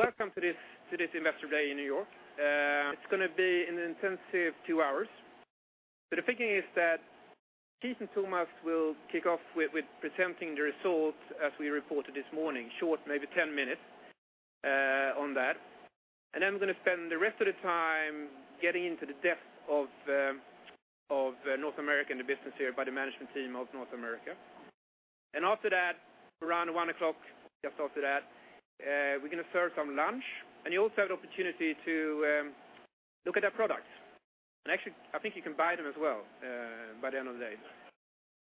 Welcome to this Investor Day in New York. It's going to be an intensive two hours, but the thinking is that Keith and Tomas will kick off with presenting the results as we reported this morning. Short, maybe 10 minutes on that. Then I'm going to spend the rest of the time getting into the depth of North America and the business here by the management team of North America. After that, around one o'clock, just after that, we're going to serve some lunch, and you also have an opportunity to look at our products. Actually, I think you can buy them as well by the end of the day.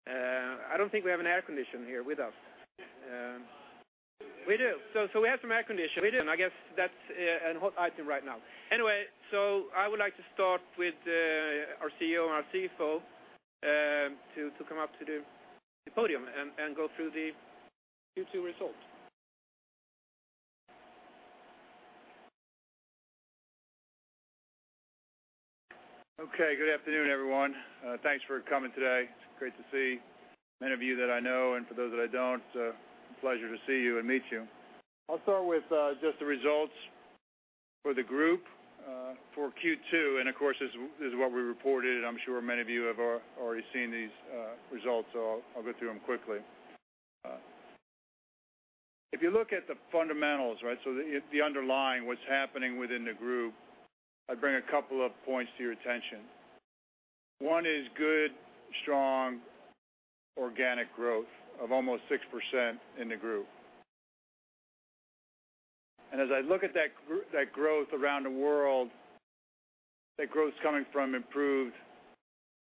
I don't think we have an air condition here with us. We do. We have some air condition, and I guess that's a hot item right now. I would like to start with our CEO and our CFO to come up to the podium and go through the Q2 results. Okay, good afternoon, everyone. Thanks for coming today. It's great to see many of you that I know, and for those that I don't, pleasure to see you and meet you. I'll start with just the results for the group for Q2. Of course, this is what we reported. I'm sure many of you have already seen these results. I'll go through them quickly. If you look at the fundamentals, right, so the underlying, what's happening within the group, I'd bring a couple of points to your attention. One is good, strong, organic growth of almost 6% in the group. As I look at that growth around the world, that growth is coming from improved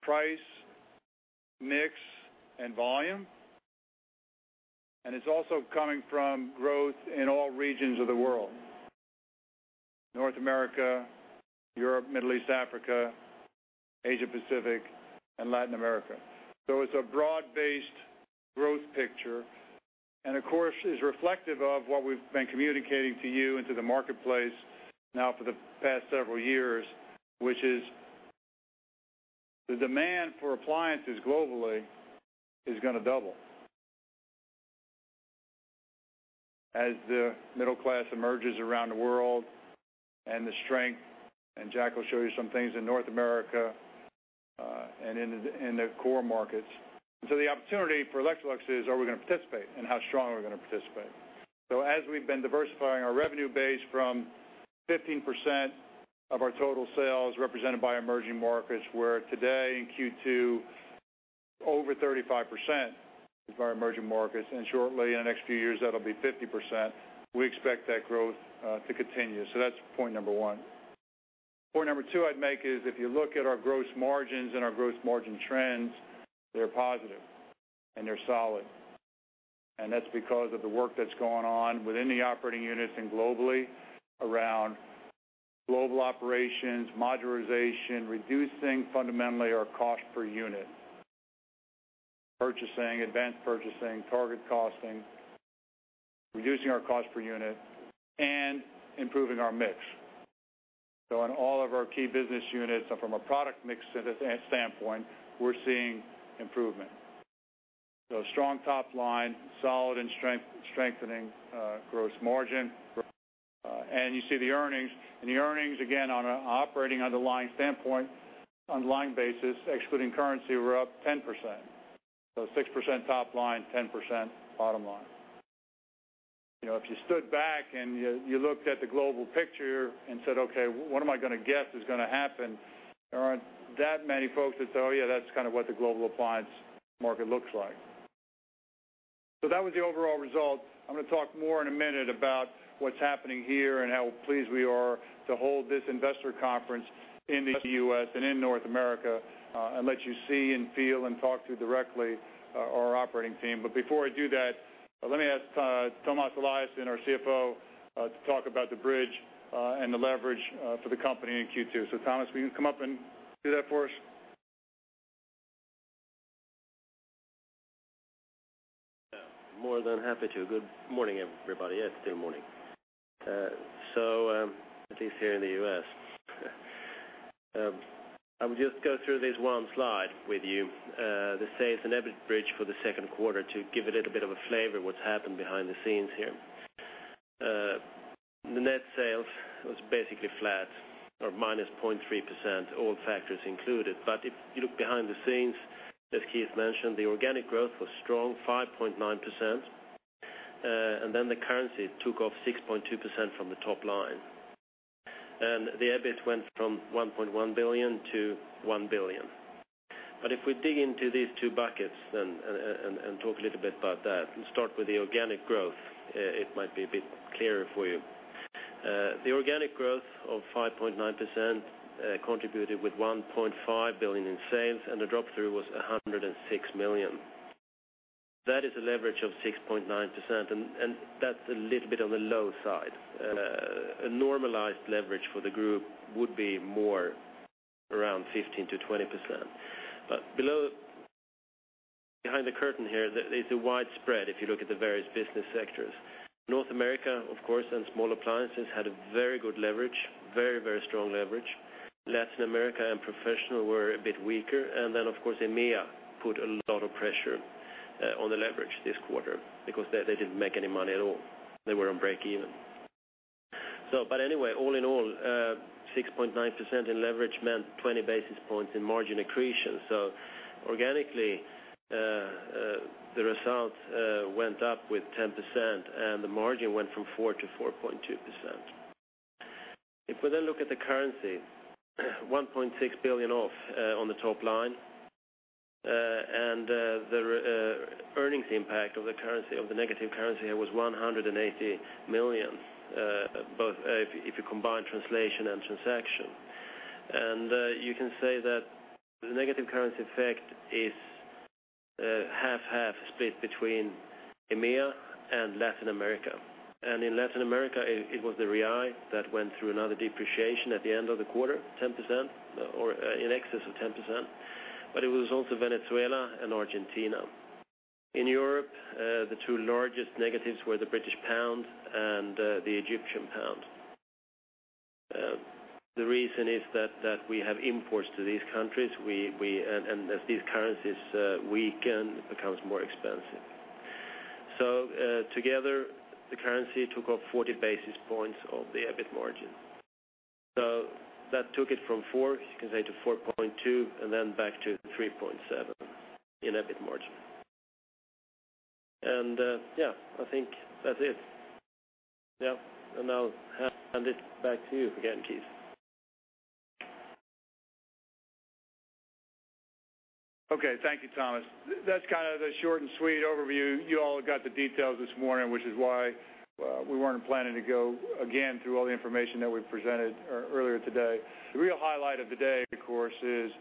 price, mix, and volume, and it's also coming from growth in all regions of the world, North America, Europe, Middle East, Africa, Asia Pacific, and Latin America. It's a broad-based growth picture, and of course, is reflective of what we've been communicating to you and to the marketplace now for the past several years, which is the demand for appliances globally is going to double. As the middle class emerges around the world and the strength, and Jack will show you some things in North America, and in the, in the core markets. The opportunity for Electrolux is, are we going to participate? How strong are we going to participate? As we've been diversifying our revenue base from 15% of our total sales represented by emerging markets, we're today in Q2, over 35% of our emerging markets, and shortly in the next few years, that'll be 50%. We expect that growth to continue. That's point number one. Point number two I'd make is if you look at our gross margins and our gross margin trends, they're positive and they're solid. That's because of the work that's going on within the operating units and globally around global operations, modularization, reducing fundamentally our cost per unit, purchasing, advanced purchasing, target costing, reducing our cost per unit, and improving our mix. In all of our key business units and from a product mix standpoint, we're seeing improvement. Strong top line, solid and strengthening gross margin. You see the earnings. The earnings, again, on a operating underlying standpoint, online basis, excluding currency, we're up 10%. Six percent top line, 10% bottom line. You know, if you stood back and you looked at the global picture and said: Okay, what am I going to guess is going to happen? There aren't that many folks that say, Oh, yeah, that's what the global appliance market looks like. That was the overall result. I'm going to talk more in a minute about what's happening here and how pleased we are to hold this investor conference in the U.S. and in North America, and let you see and feel and talk to directly our operating team. Before I do that, let me ask Tomas Eliasson, our CFO, to talk about the bridge and the leverage for the company in Q2. Tomas, will you come up and do that for us? More than happy to. Good morning, everybody. It's still morning. At least here in the U.S. I'll just go through this one slide with you, the sales and EBIT bridge for the second quarter to give a little bit of a flavor what's happened behind the scenes here. The net sales was basically flat or minus 0.3%, all factors included. If you look behind the scenes, as Keith mentioned, the organic growth was strong, 5.9%, and then the currency took off 6.2% from the top line. The EBIT went from $1.1 billion to $1 billion. If we dig into these two buckets and talk a little bit about that and start with the organic growth, it might be a bit clearer for you. The organic growth of 5.9% contributed with $1.5 billion in sales, and the drop-through was $106 million. That is a leverage of 6.9%, and that's a little bit on the low side. A normalized leverage for the group would be more around 15%-20%. Below, behind the curtain here, there's a widespread, if you look at the various business sectors. North America, of course, and small appliances had a very good leverage, very strong leverage. Latin America and professional were a bit weaker, and then, of course, EMEA put a lot of pressure on the leverage this quarter, because they didn't make any money at all. They were on break even. Anyway, all in all, 6.9% in leverage meant 20 basis points in margin accretion. Organically, the results went up with 10% and the margin went from 4%-4.2%. We then look at the currency, 1.6 billion off on the top line. The earnings impact of the currency, of the negative currency here was 180 million, both if you combine translation and transaction. You can say that the negative currency effect is half-half split between EMEA and Latin America. In Latin America, it was the Real that went through another depreciation at the end of the quarter, 10%, or in excess of 10%, but it was also Venezuela and Argentina. In Europe, the two largest negatives were the British pound and the Egyptian pound. The reason is that we have imports to these countries. And as these currencies weaken, it becomes more expensive. Together, the currency took off 40 basis points of the EBIT margin. That took it from four, you can say, to 4.2, and then back to 3.7 in EBIT margin. Yeah, I think that's it. I'll hand it back to you again, Keith. Okay. Thank you, Tomas. That's kind of the short and sweet overview. You all got the details this morning, which is why we weren't planning to go again through all the information that we presented earlier today. The real highlight of the day, of course, is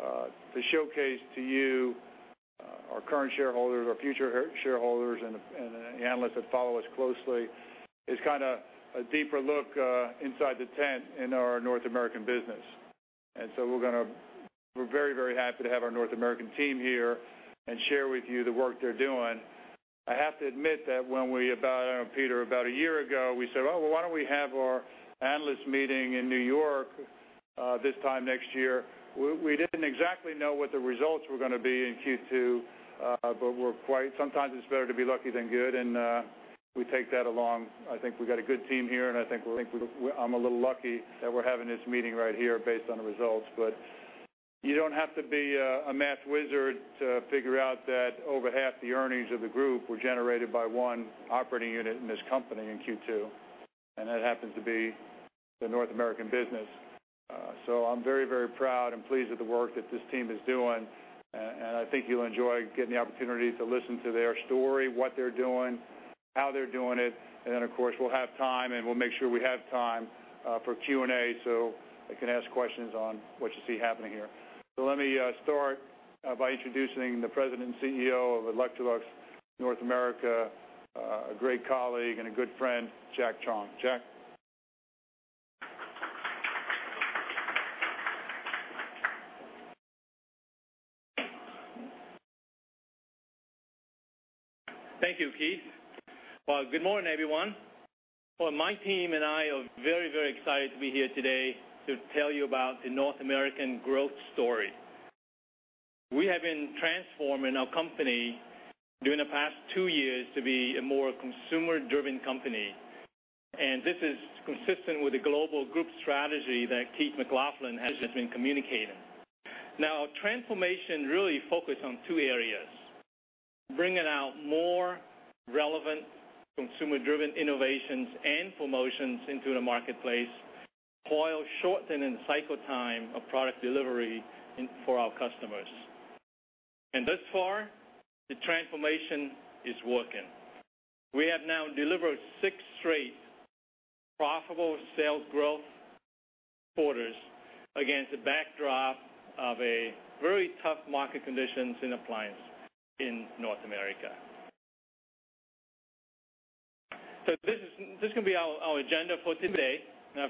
to showcase to you, our current shareholders, our future shareholders, and the analysts that follow us closely, is kind of a deeper look inside the tent in our North American business. We're very, very happy to have our North American team here and share with you the work they're doing. I have to admit that when we, about Peter, about a year ago, we said: Well, why don't we have our analyst meeting in New York this time next year? We didn't exactly know what the results were gonna be in Q2, but sometimes it's better to be lucky than good, and we take that along. I think we've got a good team here, and I think I'm a little lucky that we're having this meeting right here based on the results. You don't have to be a math wizard to figure out that over half the earnings of the group were generated by one operating unit in this company in Q2, and that happens to be the North American business. I'm very, very proud and pleased with the work that this team is doing, and I think you'll enjoy getting the opportunity to listen to their story, what they're doing, how they're doing it, and then, of course, we'll have time, and we'll make sure we have time for Q&A, so I can ask questions on what you see happening here. Let me start by introducing the President and CEO of Electrolux North America, a great colleague and a good friend, Jack Truong. Jack? Thank you, Keith. Good morning, everyone. My team and I are very, very excited to be here today to tell you about the North American growth story. We have been transforming our company during the past two years to be a more consumer-driven company, and this is consistent with the global group strategy that Keith McLoughlin has been communicating. Transformation really focus on two areas: bringing out more relevant, consumer-driven innovations and promotions into the marketplace, while shortening the cycle time of product delivery for our customers. Thus far, the transformation is working. We have now delivered six straight profitable sales growth quarters against the backdrop of a very tough market conditions in appliance in North America. This is gonna be our agenda for today.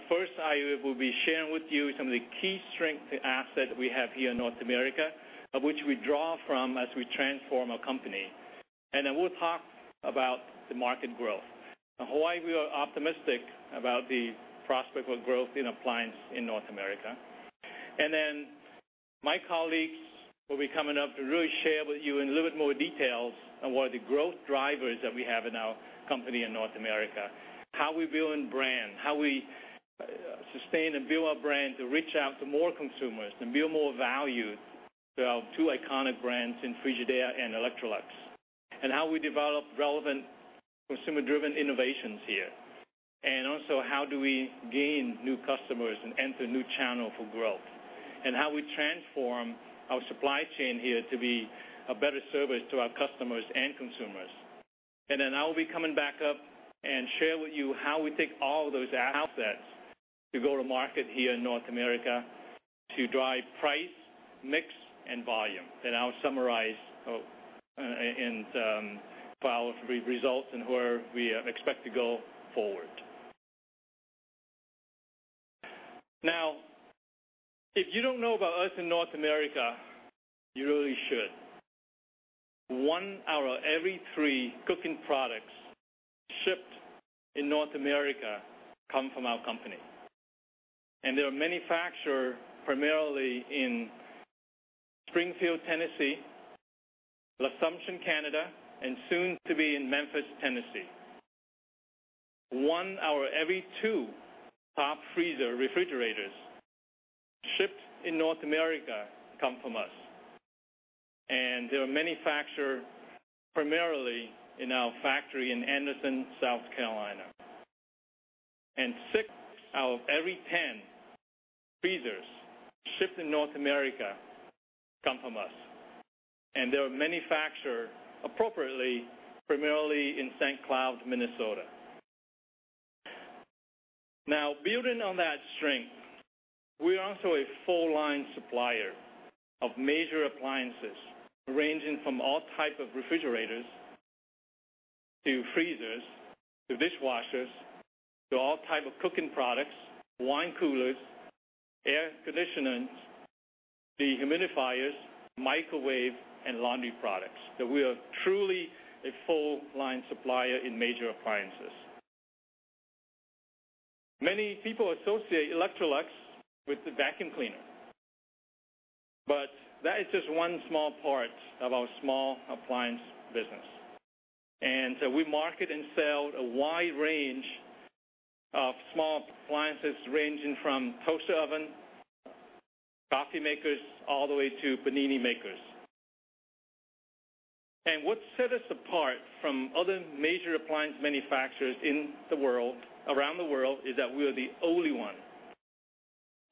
First, I will be sharing with you some of the key strength asset we have here in North America, of which we draw from as we transform our company. Then we'll talk about the market growth and why we are optimistic about the prospect of growth in appliance in North America. Then my colleagues will be coming up to really share with you in a little bit more details on what are the growth drivers that we have in our company in North America, how we building brand, how we sustain and build our brand to reach out to more consumers, to build more value to our two iconic brands in Frigidaire and Electrolux, and how we develop relevant consumer-driven innovations here. Also, how do we gain new customers and enter new channel for growth, and how we transform our supply chain here to be a better service to our customers and consumers. I'll be coming back up and share with you how we take all those assets to go to market here in North America to drive price, mix, and volume. I'll summarize, and file three results and where we expect to go forward. If you don't know about us in North America, you really should. One out of every three cooking products shipped in North America come from our company. They are manufactured primarily in Springfield, Tennessee, L'Assomption, Canada, and soon to be in Memphis, Tennessee. One out of every two top freezer refrigerators shipped in North America come from us, and they are manufactured primarily in our factory in Anderson, South Carolina. Six out of every 10 freezers shipped in North America come from us, and they are manufactured appropriately, primarily in St. Cloud, Minnesota. Now, building on that strength, we're also a full line supplier of major appliances, ranging from all type of refrigerators to freezers to dishwashers, to all type of cooking products, wine coolers, air conditioners, dehumidifiers, microwave, and laundry products. We are truly a full line supplier in major appliances. Many people associate Electrolux with the vacuum cleaner, but that is just one small part of our small appliance business. We market and sell a wide range of small appliances, ranging from toaster oven, coffee makers, all the way to panini makers. What set us apart from other major appliance manufacturers in the world, around the world, is that we are the only one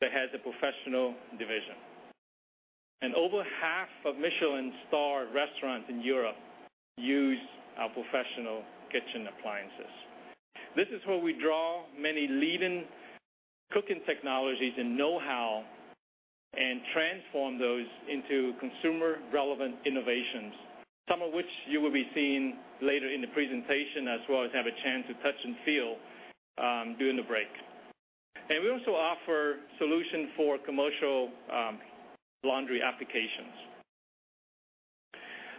that has a professional division. Over half of Michelin-starred restaurants in Europe use our professional kitchen appliances. This is where we draw many leading cooking technologies and know-how and transform those into consumer-relevant innovations, some of which you will be seeing later in the presentation, as well as have a chance to touch and feel during the break. We also offer solution for commercial laundry applications.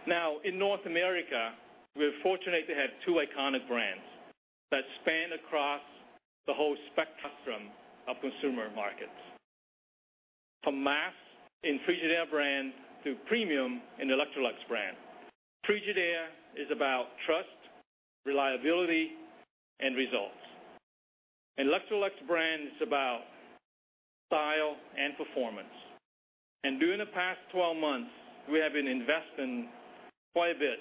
Now, in North America, we're fortunate to have two iconic brands that span across the whole spectrum of consumer markets, from mass in Frigidaire brand to premium in Electrolux brand. Frigidaire is about trust, reliability, and results. Electrolux brand is about style and performance. During the past 12 months, we have been investing quite a bit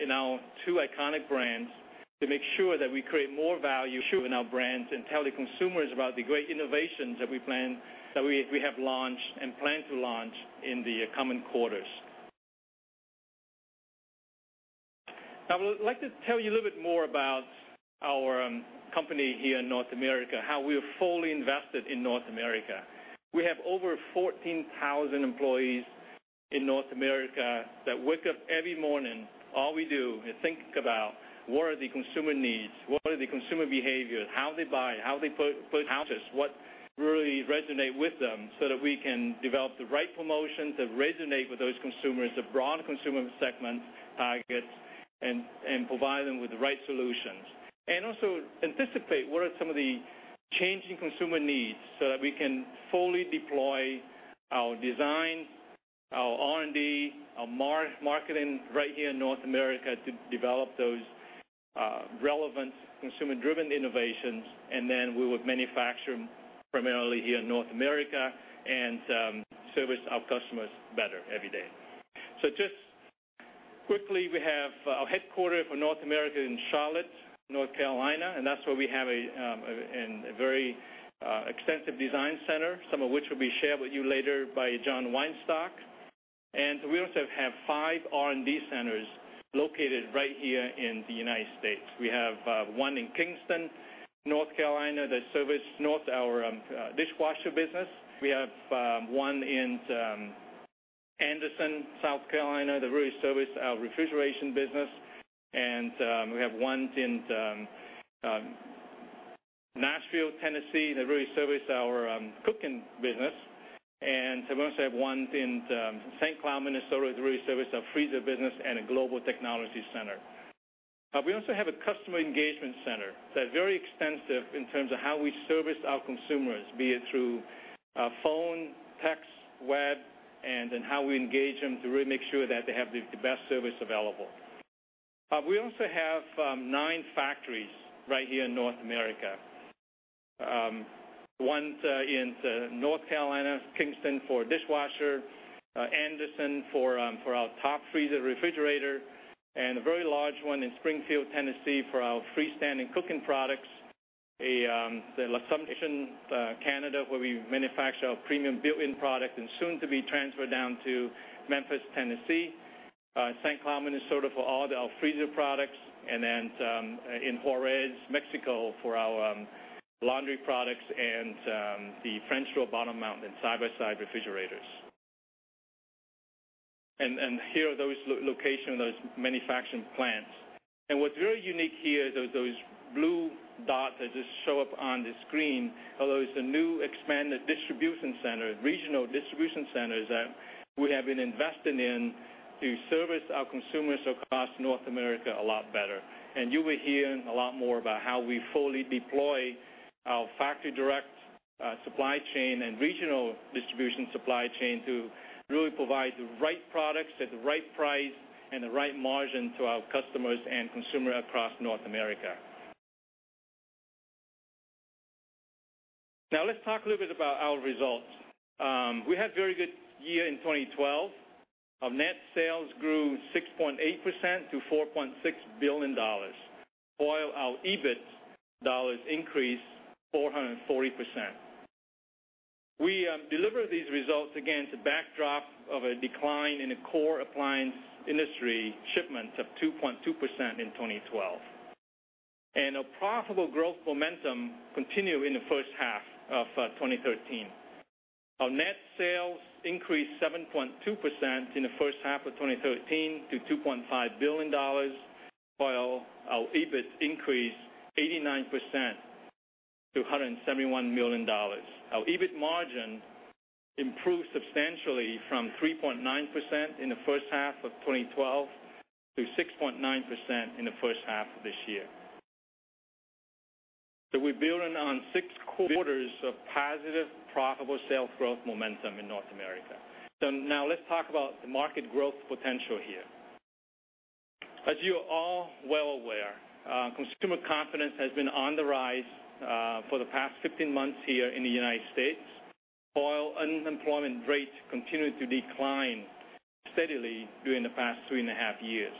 in our two iconic brands to make sure that we create more value in our brands, and tell the consumers about the great innovations that we have launched and plan to launch in the coming quarters. I would like to tell you a little bit more about our company here in North America, how we are fully invested in North America. We have over 14,000 employees in North America that wake up every morning, all we do is think about what are the consumer needs, what are the consumer behaviors, how they buy, how they purchase, what really resonate with them, so that we can develop the right promotions that resonate with those consumers, the broad consumer segment targets, and provide them with the right solutions. Also anticipate what are some of the changing consumer needs, so that we can fully deploy our design, our R&D, our marketing right here in North America to develop those relevant, consumer-driven innovations, and then we would manufacture them primarily here in North America and service our customers better every day. Just quickly, we have our headquarter for North America in Charlotte, North Carolina, and that's where we have a and a very extensive design center, some of which will be shared with you later by John Weinstock. We also have five R&D centers located right here in the United States. We have one in Kinston, North Carolina, that service north our dishwasher business. We have one in Anderson, South Carolina, that really service our refrigeration business. We have one in Nashville, Tennessee, that really service our cooking business. We also have one in St. Cloud, Minnesota, that really service our freezer business and a global technology center. We also have a customer engagement center that's very extensive in terms of how we service our consumers, be it through phone, text, web, and then how we engage them to really make sure that they have the best service available. We also have nine factories right here in North America. One's in North Carolina, Kinston, for dishwasher, Anderson for our top freezer refrigerator, and a very large one in Springfield, Tennessee, for our freestanding cooking products. The L'Assomption, Canada, where we manufacture our premium built-in product and soon to be transferred down to Memphis, Tennessee. Cloud, Minnesota, for all of our freezer products, and then in Juarez, Mexico, for our laundry products and the French door, bottom mount, and side-by-side refrigerators. Here are those manufacturing plants. What's very unique here, those blue dots that just show up on the screen, are the new expanded distribution centers, regional distribution centers, that we have been investing in to service our consumers across North America a lot better. You will hear a lot more about how we fully deploy our factory direct supply chain and regional distribution supply chain to really provide the right products at the right price and the right margin to our customers and consumer across North America. Now, let's talk a little bit about our results. We had very good year in 2012. Our net sales grew 6.8% to $4.6 billion, while our EBIT dollars increased 440%. We delivered these results against the backdrop of a decline in the core appliance industry shipments of 2.2% in 2012. A profitable growth momentum continued in the first half of 2013. Our net sales increased 7.2% in the first half of 2013 to $2.5 billion, while our EBIT increased 89% to $171 million. Our EBIT margin improved substantially from 3.9% in the first half of 2012 to 6.9% in the first half of this year. We're building on six quarters of positive, profitable sales growth momentum in North America. Now let's talk about the market growth potential here. As you are all well aware, consumer confidence has been on the rise, for the past 15 months here in the U.S., while unemployment rates continued to decline steadily during the past three and a half years.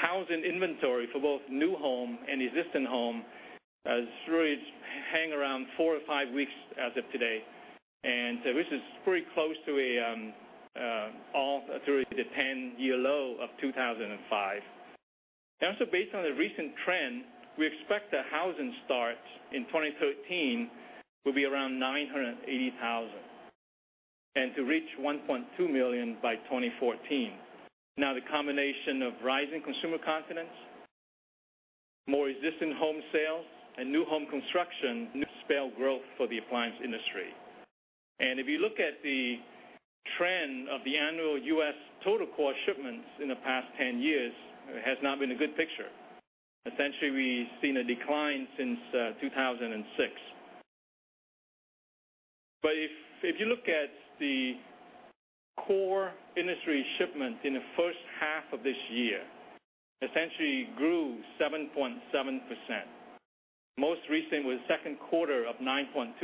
Housing inventory for both new home and existing home, has really hang around four or five weeks as of today, this is pretty close to a all through the 10-year low of 2005. Based on the recent trend, we expect that housing starts in 2013 will be around 980,000, and to reach 1.2 million by 2014. The combination of rising consumer confidence, more existing home sales and new home construction spell growth for the appliance industry. If you look at the trend of the annual U.S. total core shipments in the past 10 years, it has not been a good picture. Essentially, we've seen a decline since 2006. If you look at the core industry shipment in the first half of this year, essentially grew 7.7%. Most recent was the second quarter of 9.2%.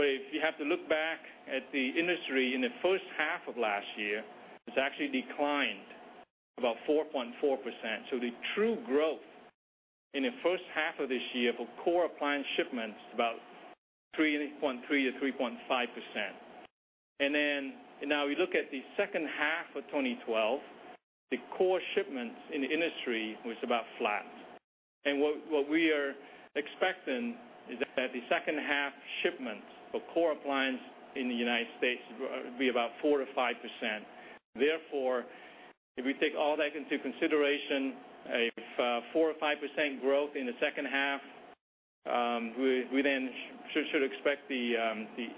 If you have to look back at the industry in the first half of last year, it's actually declined about 4.4%. The true growth in the first half of this year for core appliance shipments, about 3.3%-3.5%. Now we look at the second half of 2012, the core shipments in the industry was about flat. What we are expecting is that the second half shipments for core appliance in the United States would be about 4%-5%. Therefore, if we take all that into consideration, a 4% or 5% growth in the second half, we then should expect the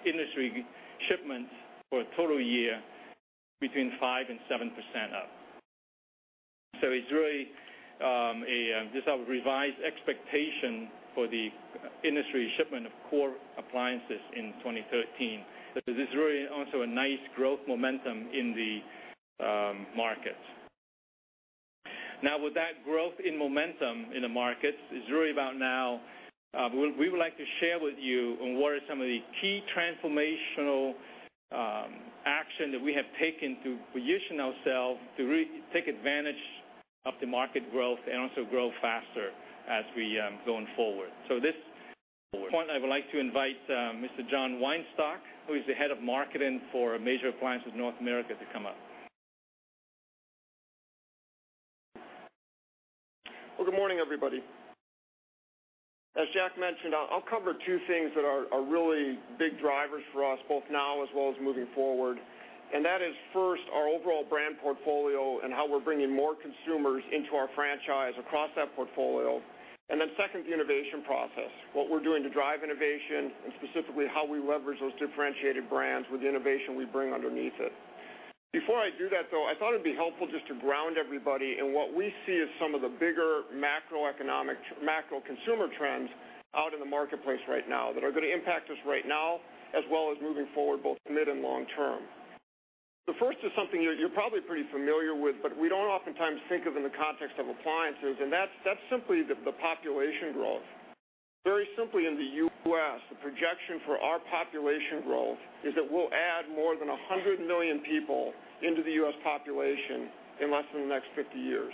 industry shipments for a total year between 5% and 7% up. It's really just a revised expectation for the industry shipment of core appliances in 2013. This is really also a nice growth momentum in the market. Now with that growth in momentum in the market, it's really about now, we would like to share with you on what are some of the key transformational action that we have taken to position ourselves to really take advantage of the market growth and also grow faster as we going forward. This point, I would like to invite Mr. John Weinstock, who is the Head of Marketing for Major Appliances North America, to come up. Well, good morning, everybody. As Jack mentioned, I'll cover two things that are really big drivers for us, both now as well as moving forward. That is, first, our overall brand portfolio and how we're bringing more consumers into our franchise across that portfolio. Then second, the innovation process, what we're doing to drive innovation, and specifically, how we leverage those differentiated brands with the innovation we bring underneath it. Before I do that, though, I thought it'd be helpful just to ground everybody in what we see as some of the bigger macroeconomic, macro consumer trends out in the marketplace right now, that are going to impact us right now, as well as moving forward, both mid and long term. The first is something you're probably pretty familiar with, but we don't oftentimes think of in the context of appliances, and that's simply the population growth. Very simply, in the U.S., the projection for our population growth is that we'll add more than 100 million people into the U.S. population in less than the next 50 years.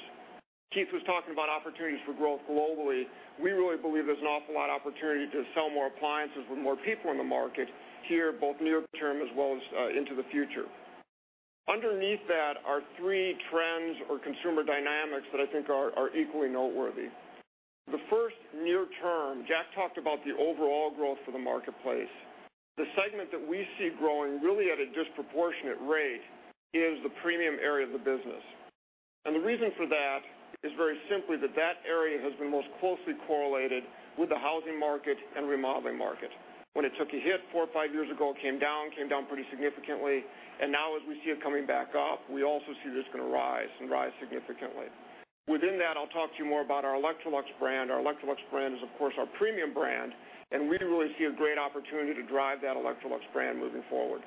Keith was talking about opportunities for growth globally. We really believe there's an awful lot of opportunity to sell more appliances with more people in the market here, both near term as well as into the future. Underneath that are three trends or consumer dynamics that I think are equally noteworthy. The first near term, Jack talked about the overall growth for the marketplace. The segment that we see growing really at a disproportionate rate is the premium area of the business. The reason for that is very simply that that area has been most closely correlated with the housing market and remodeling market. When it took a hit four or five years ago, it came down pretty significantly, and now as we see it coming back up, we also see this going to rise and rise significantly. Within that, I'll talk to you more about our Electrolux brand. Our Electrolux brand is, of course, our premium brand, and we really see a great opportunity to drive that Electrolux brand moving forward.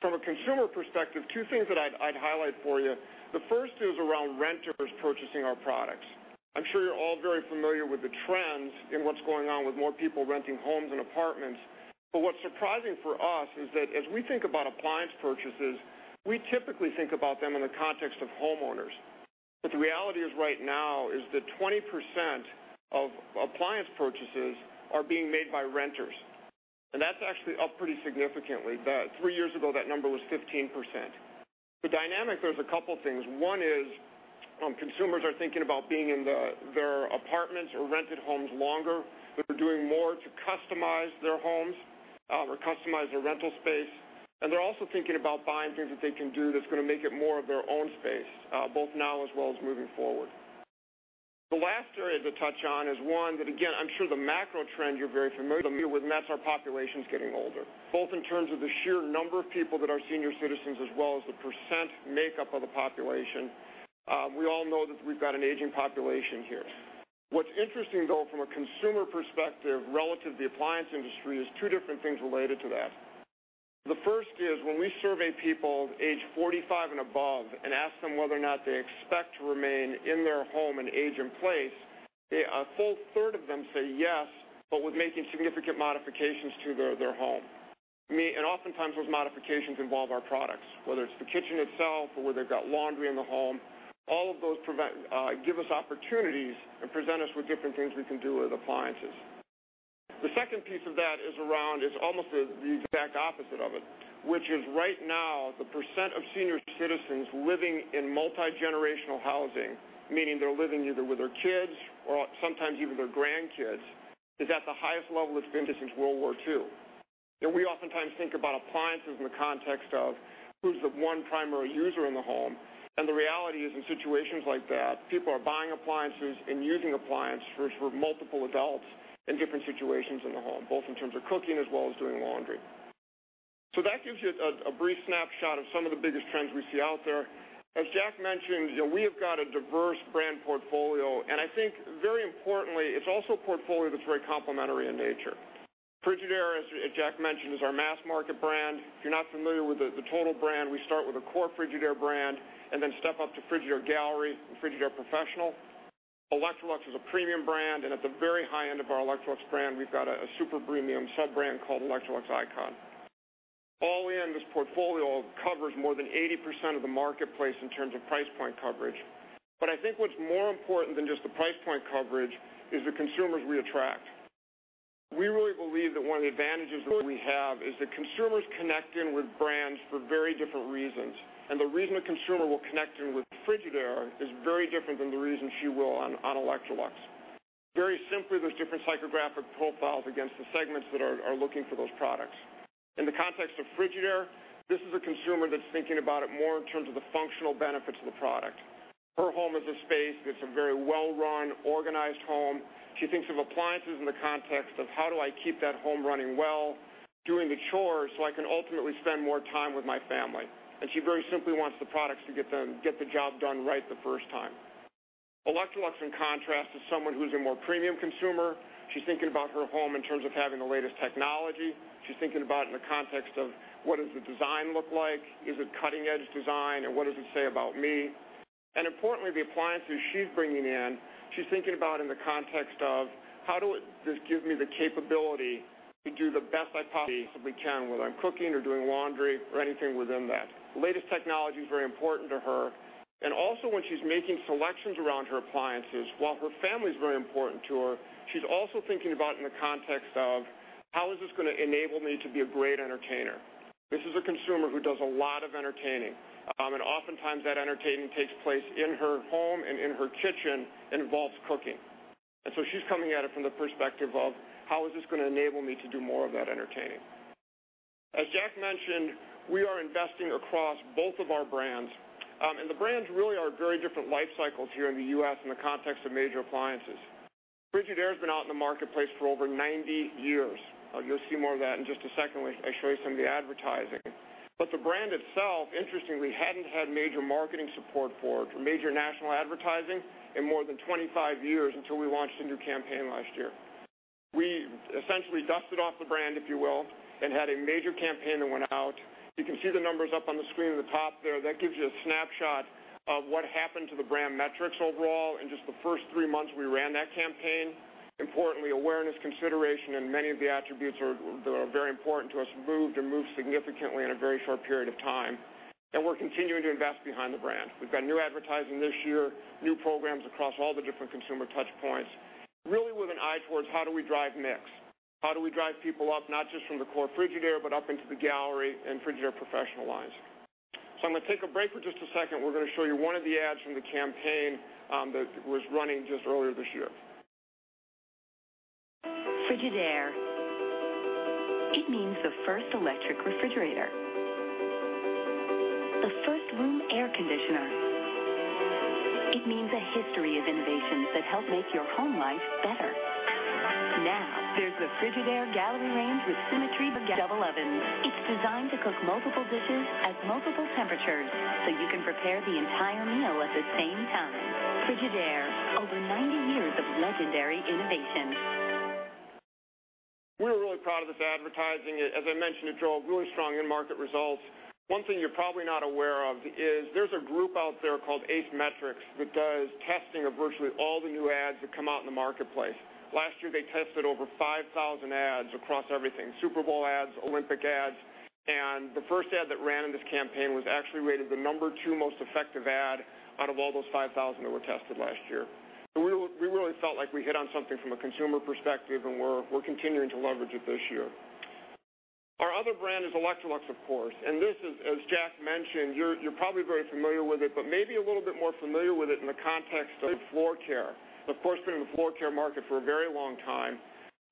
From a consumer perspective, two things that I'd highlight for you. The first is around renters purchasing our products. I'm sure you're all very familiar with the trends in what's going on with more people renting homes and apartments. What's surprising for us is that as we think about appliance purchases, we typically think about them in the context of homeowners. The reality is right now is that 20% of appliance purchases are being made by renters, and that's actually up pretty significantly. About three years ago, that number was 15%. The dynamic, there's a couple things. One is, consumers are thinking about being in their apartments or rented homes longer. They're doing more to customize their homes, or customize their rental space. They're also thinking about buying things that they can do that's going to make it more of their own space, both now as well as moving forward. The last area to touch on is one that, again, I'm sure the macro trend you're very familiar with, and that's our population is getting older, both in terms of the sheer number of people that are senior citizens, as well as the % makeup of the population. We all know that we've got an aging population here. What's interesting, though, from a consumer perspective relative to the appliance industry, is two different things related to that. The first is when we survey people aged 45 and above and ask them whether or not they expect to remain in their home and age in place, a whole third of them say yes, but with making significant modifications to their home. Oftentimes, those modifications involve our products, whether it's the kitchen itself or where they've got laundry in the home. All of those prevent, give us opportunities and present us with different things we can do with appliances. The second piece of that is around, it's almost the exact opposite of it, which is right now, the percent of senior citizens living in multigenerational housing, meaning they're living either with their kids or sometimes even their grandkids, is at the highest level it's been since World War II. We oftentimes think about appliances in the context of who's the one primary user in the home. The reality is, in situations like that, people are buying appliances and using appliances for multiple adults in different situations in the home, both in terms of cooking as well as doing laundry. That gives you a brief snapshot of some of the biggest trends we see out there. As Jack mentioned, you know, we have got a diverse brand portfolio, and I think very importantly, it's also a portfolio that's very complementary in nature. Frigidaire, as Jack mentioned, is our mass market brand. If you're not familiar with the total brand, we start with a core Frigidaire brand and then step up to Frigidaire Gallery and Frigidaire Professional. Electrolux is a premium brand, and at the very high end of our Electrolux brand, we've got a super premium sub-brand called Electrolux ICON. All in, this portfolio covers more than 80% of the marketplace in terms of price point coverage. I think what's more important than just the price point coverage is the consumers we attract. We really believe that one of the advantages that we have is that consumers connect in with brands for very different reasons, and the reason a consumer will connect in with Frigidaire is very different than the reason she will on Electrolux. Very simply, there's different psychographic profiles against the segments that are looking for those products. In the context of Frigidaire, this is a consumer that's thinking about it more in terms of the functional benefits of the product. Her home is a space that's a very well-run, organized home. She thinks of appliances in the context of: How do I keep that home running well, doing the chores, so I can ultimately spend more time with my family. She very simply wants the products to get the job done right the first time. Electrolux, in contrast, is someone who's a more premium consumer. She's thinking about her home in terms of having the latest technology. She's thinking about in the context of: What does the design look like? Is it cutting-edge design, and what does it say about me? Importantly, the appliances she's bringing in, she's thinking about in the context of: How this give me the capability to do the best I possibly can, whether I'm cooking or doing laundry or anything within that? The latest technology is very important to her. Also, when she's making selections around her appliances, while her family is very important to her, she's also thinking about in the context of: How is this going to enable me to be a great entertainer? This is a consumer who does a lot of entertaining, and oftentimes, that entertaining takes place in her home and in her kitchen, and involves cooking. She's coming at it from the perspective of: How is this going to enable me to do more of that entertaining? As Jack mentioned, we are investing across both of our brands, and the brands really are very different life cycles here in the U.S. in the context of major appliances. Frigidaire has been out in the marketplace for over 90 years. You'll see more of that in just a second when I show you some of the advertising. The brand itself, interestingly, hadn't had major marketing support for major national advertising in more than 25 years until we launched a new campaign last year. We essentially dusted off the brand, if you will, and had a major campaign that went out. You can see the numbers up on the screen at the top there. That gives you a snapshot of what happened to the brand metrics overall in just the first three months we ran that campaign. Importantly, awareness, consideration, and many of the attributes that are very important to us moved and moved significantly in a very short period of time. We're continuing to invest behind the brand. We've got new advertising this year, new programs across all the different consumer touch points, really with an eye towards: How do we drive mix? How do we drive people up, not just from the core Frigidaire, but up into the Gallery and Frigidaire Professional lines? I'm going to take a break for just a second. We're going to show you one of the ads from the campaign that was running just earlier this year. Frigidaire. It means the first electric refrigerator. The first room air conditioner. It means a history of innovations that help make your home life better. Now, there's the Frigidaire Gallery Range with Symmetry double ovens. It's designed to cook multiple dishes at multiple temperatures, so you can prepare the entire meal at the same time. Frigidaire, over 90 years of legendary innovation. We're really proud of this advertising. As I mentioned, it drove really strong in-market results. One thing you're probably not aware of is there's a group out there called Ace Metrix that does testing of virtually all the new ads that come out in the marketplace. Last year, they tested over 5,000 ads across everything, Super Bowl ads, Olympic ads, and the first ad that ran in this campaign was actually rated the number two most effective ad out of all those 5,000 that were tested last year. We really felt like we hit on something from a consumer perspective, and we're continuing to leverage it this year. Our other brand is Electrolux, of course, and this is, as Jack mentioned, you're probably very familiar with it, but maybe a little bit more familiar with it in the context of floor care. Of course, we're in the floor care market for a very long time,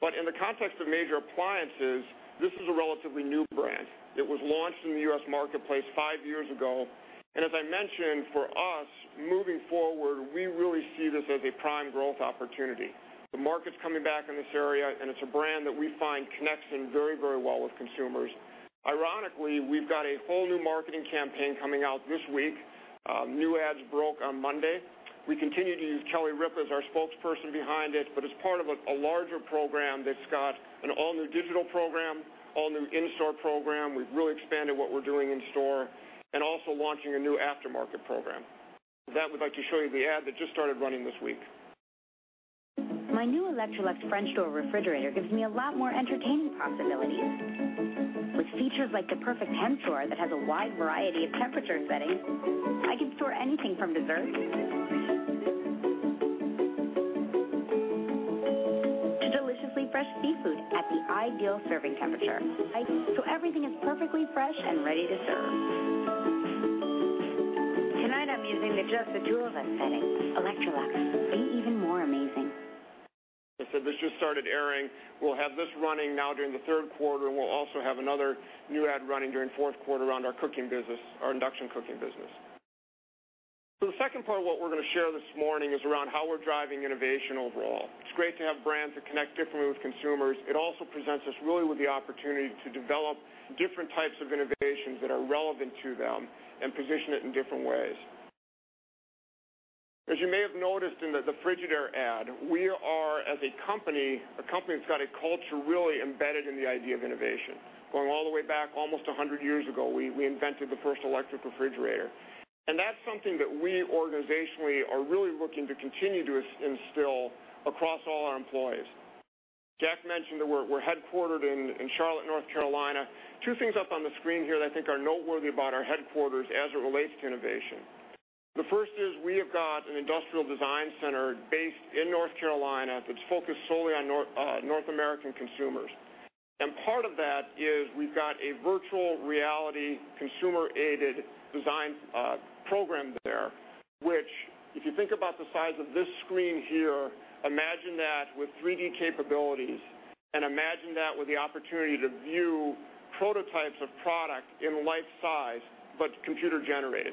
but in the context of major appliances, this is a relatively new brand. It was launched in the U.S. marketplace five years ago. As I mentioned, for us, moving forward, we really see this as a prime growth opportunity. The market's coming back in this area, and it's a brand that we find connects in very, very well with consumers. Ironically, we've got a whole new marketing campaign coming out this week. New ads broke on Monday. We continue to use Kelly Ripa as our spokesperson behind it. It's part of a larger program that's got an all-new digital program, all-new in-store program. We've really expanded what we're doing in-store and also launching a new aftermarket program. With that, we'd like to show you the ad that just started running this week. My new Electrolux French door refrigerator gives me a lot more entertaining possibilities. With features like the Perfect Temp Drawer that has a wide variety of temperature settings, I can store anything from desserts to deliciously fresh seafood at the ideal serving temperature. Everything is perfectly fresh and ready to serve. Tonight, I'm using the just the two of us setting. Electrolux, be even more amazing. This just started airing. We'll have this running now during the third quarter, and we'll also have another new ad running during fourth quarter on our cooking business, our induction cooking business. The second part of what we're going to share this morning is around how we're driving innovation overall. It's great to have brands that connect differently with consumers. It also presents us really with the opportunity to develop different types of innovations that are relevant to them and position it in different ways. As you may have noticed in the Frigidaire ad, we are, as a company, a company that's got a culture really embedded in the idea of innovation. Going all the way back, almost 100 years ago, we invented the first electric refrigerator, and that's something that we organizationally are really looking to continue to instill across all our employees. Jack mentioned that we're headquartered in Charlotte, North Carolina. Two things up on the screen here that I think are noteworthy about our headquarters as it relates to innovation. The first is we have got an industrial design center based in North Carolina, that's focused solely on North American consumers. Part of that is we've got a virtual reality consumer-aided design program there, which if you think about the size of this screen here, imagine that with 3D capabilities and imagine that with the opportunity to view prototypes of product in life-size, but computer-generated.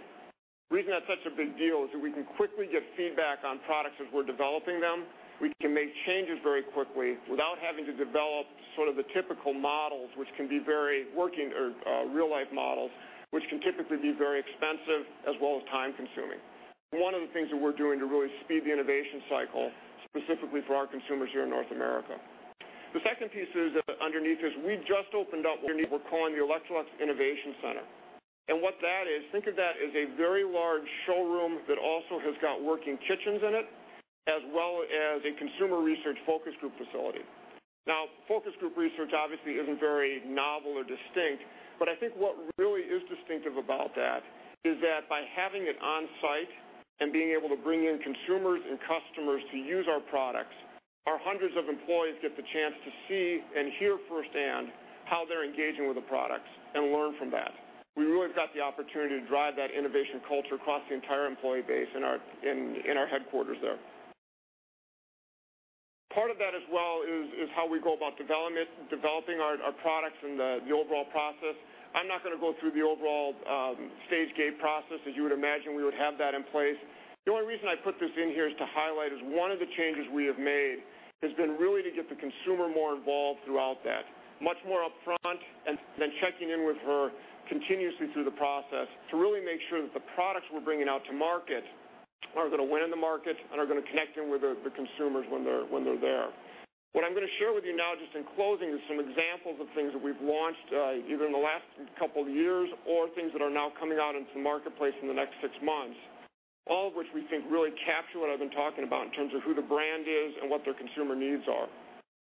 The reason that's such a big deal is that we can quickly get feedback on products as we're developing them. We can make changes very quickly without having to develop sort of the typical models, which can be very working or, real-life models, which can typically be very expensive as well as time-consuming. One of the things that we're doing to really speed the innovation cycle, specifically for our consumers here in North America. The second piece is, underneath this, we just opened up what we're calling the Electrolux Innovation Center. What that is, think of that as a very large showroom that also has got working kitchens in it, as well as a consumer research focus group facility. Now, focus group research obviously isn't very novel or distinct, but I think what really is distinctive about that is that by having it on-site and being able to bring in consumers and customers to use our products, our hundreds of employees get the chance to see and hear firsthand how they're engaging with the products and learn from that. We really have got the opportunity to drive that innovation culture across the entire employee base in our headquarters there. Part of that as well is how we go about development, developing our products and the overall process. I'm not going to go through the overall stage-gate process. As you would imagine, we would have that in place. The only reason I put this in here is to highlight, is one of the changes we have made has been really to get the consumer more involved throughout that, much more upfront and then checking in with her continuously through the process to really make sure that the products we're bringing out to market are going to win in the market and are going to connect in with the consumers when they're there. What I'm going to share with you now, just in closing, is some examples of things that we've launched, either in the last couple of years or things that are now coming out into the marketplace in the next six months, all of which we think really capture what I've been talking about in terms of who the brand is and what their consumer needs are.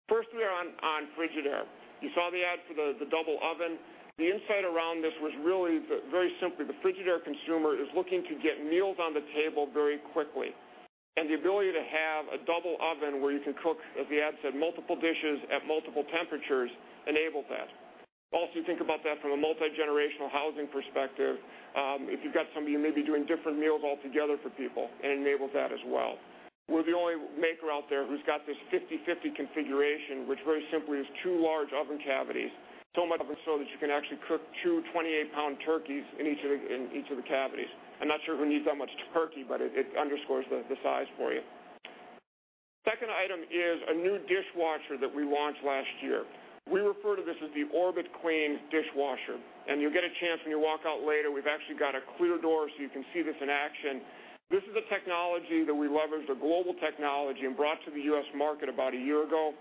Firstly, on Frigidaire, you saw the ad for the double oven. The insight around this was really the very simply, the Frigidaire consumer is looking to get meals on the table very quickly, and the ability to have a double oven where you can cook, as the ad said, multiple dishes at multiple temperatures, enables that. Think about that from a multigenerational housing perspective. If you've got somebody who may be doing different meals altogether for people, it enables that as well. We're the only maker out there who's got this 50/50 configuration, which very simply is two large oven cavities, so much oven so that you can actually cook 228 pound turkeys in each of the cavities. I'm not sure who needs that much turkey, but it underscores the size for you. Second item is a new dishwasher that we launched last year. We refer to this as the OrbitClean dishwasher. You'll get a chance when you walk out later, we've actually got a clear door, so you can see this in action. This is a technology that we leveraged, a global technology, and brought to the U.S. market about a year ago.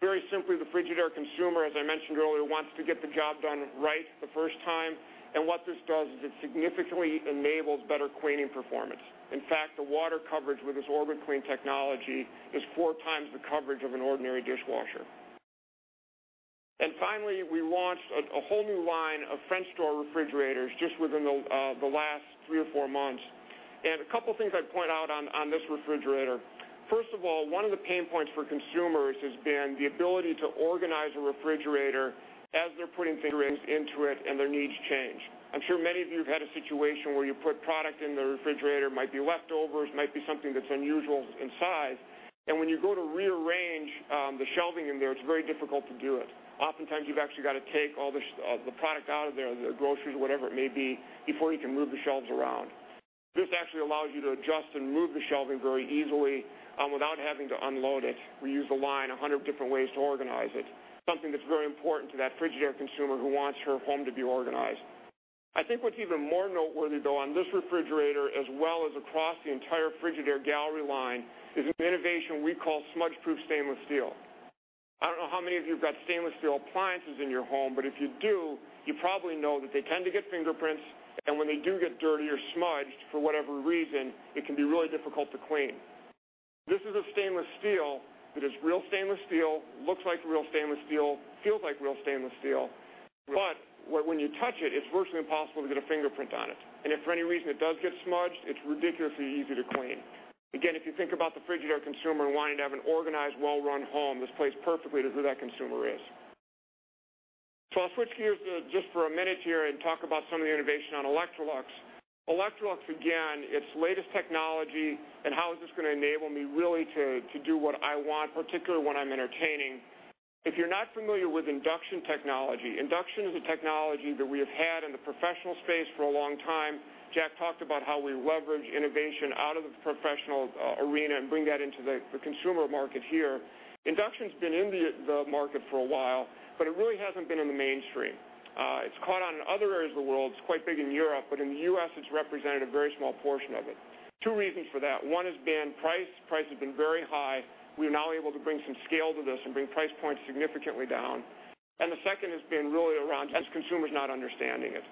Very simply, the Frigidaire consumer, as I mentioned earlier, wants to get the job done right the first time. What this does is it significantly enables better cleaning performance. In fact, the water coverage with this OrbitClean technology is four times the coverage of an ordinary dishwasher. Finally, we launched a whole new line of French door refrigerators just within the last three or four months. A couple things I'd point out on this refrigerator. First of all, one of the pain points for consumers has been the ability to organize a refrigerator as they're putting things into it and their needs change. I'm sure many of you have had a situation where you put product in the refrigerator, might be leftovers, might be something that's unusual in size, and when you go to rearrange, the shelving in there, it's very difficult to do it. Oftentimes, you've actually got to take all the product out of there, the groceries, whatever it may be, before you can move the shelves around. This actually allows you to adjust and move the shelving very easily, without having to unload it. We use the line 100 different ways to organize it, something that's very important to that Frigidaire consumer who wants her home to be organized. I think what's even more noteworthy, though, on this refrigerator, as well as across the entire Frigidaire Gallery line, is an innovation we call Smudge-Proof Stainless Steel. I don't know how many of you have got stainless steel appliances in your home, but if you do, you probably know that they tend to get fingerprints, and when they do get dirty or smudged, for whatever reason, it can be really difficult to clean. This is a stainless steel, that is real stainless steel, looks like real stainless steel, feels like real stainless steel, but when you touch it's virtually impossible to get a fingerprint on it. If for any reason it does get smudged, it's ridiculously easy to clean. Again, if you think about the Frigidaire consumer wanting to have an organized, well-run home, this plays perfectly to who that consumer is. I'll switch gears to just for a minute here and talk about some of the innovation on Electrolux. Electrolux, again, its latest technology and how is this going to enable me really to do what I want, particularly when I'm entertaining. If you're not familiar with induction technology, induction is a technology that we have had in the professional space for a long time. Jack talked about how we leverage innovation out of the professional arena and bring that into the consumer market here. Induction's been in the market for a while, it really hasn't been in the mainstream. It's caught on in other areas of the world. It's quite big in Europe, in the U.S., it's represented a very small portion of it. Two reasons for that. One has been price. Price has been very high. We are now able to bring some scale to this and bring price points significantly down. The second has been really around consumers not understanding it.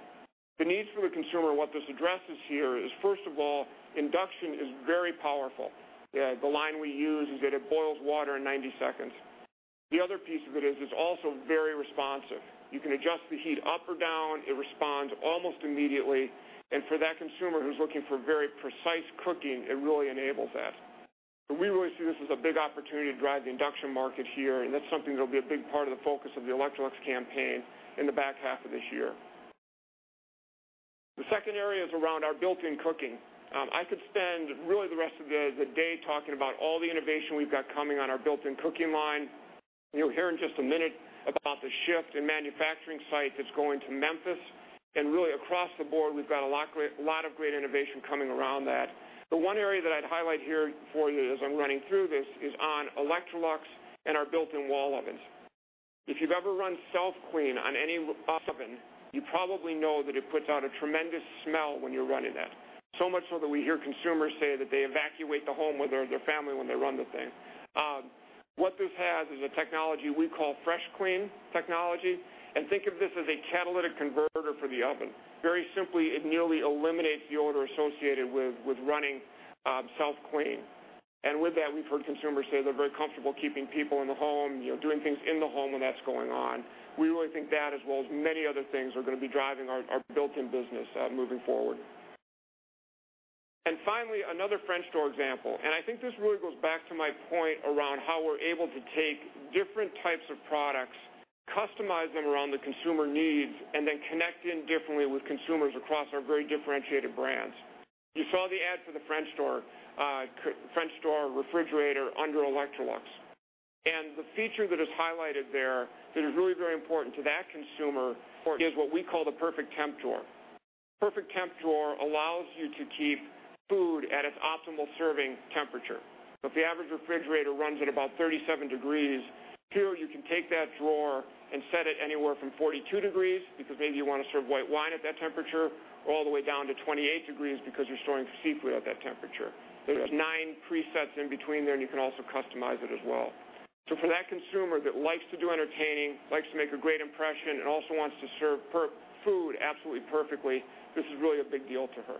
The needs for the consumer, what this addresses here is, first of all, induction is very powerful. The line we use is that it boils water in 90 seconds. The other piece of it is, it's also very responsive. You can adjust the heat up or down, it responds almost immediately, and for that consumer who's looking for very precise cooking, it really enables that. We really see this as a big opportunity to drive the induction market here. That's something that'll be a big part of the focus of the Electrolux campaign in the back half of this year. The second area is around our built-in cooking. I could spend really the rest of the day talking about all the innovation we've got coming on our built-in cooking line. You'll hear in just a minute about the shift in manufacturing site that's going to Memphis. Really across the board, we've got a lot of great innovation coming around that. One area that I'd highlight here for you as I'm running through this is on Electrolux and our built-in wall ovens. If you've ever run self-clean on any oven, you probably know that it puts out a tremendous smell when you're running it. So much so that we hear consumers say that they evacuate the home with their family when they run the thing. What this has is a technology we call Fresh Clean Technology, and think of this as a catalytic converter for the oven. Very simply, it nearly eliminates the odor associated with running self-clean. With that, we've heard consumers say they're very comfortable keeping people in the home, you know, doing things in the home when that's going on. We really think that, as well as many other things, are going to be driving our built-in business moving forward. Finally, another French door example. I think this really goes back to my point around how we're able to take different types of products, customize them around the consumer needs, and then connect in differently with consumers across our very differentiated brands. You saw the ad for the French door French door refrigerator under Electrolux, and the feature that is highlighted there that is really very important to that consumer is what we call the Perfect Temp Drawer. Perfect Temp Drawer allows you to keep food at its optimal serving temperature. If the average refrigerator runs at about 37 degrees, here you can take that drawer and set it anywhere from 42 degrees, because maybe you want to serve white wine at that temperature, all the way down to 28 degrees because you're storing seafood at that temperature. There's nine presets in between there, and you can also customize it as well. For that consumer that likes to do entertaining, likes to make a great impression, and also wants to serve food absolutely perfectly, this is really a big deal to her.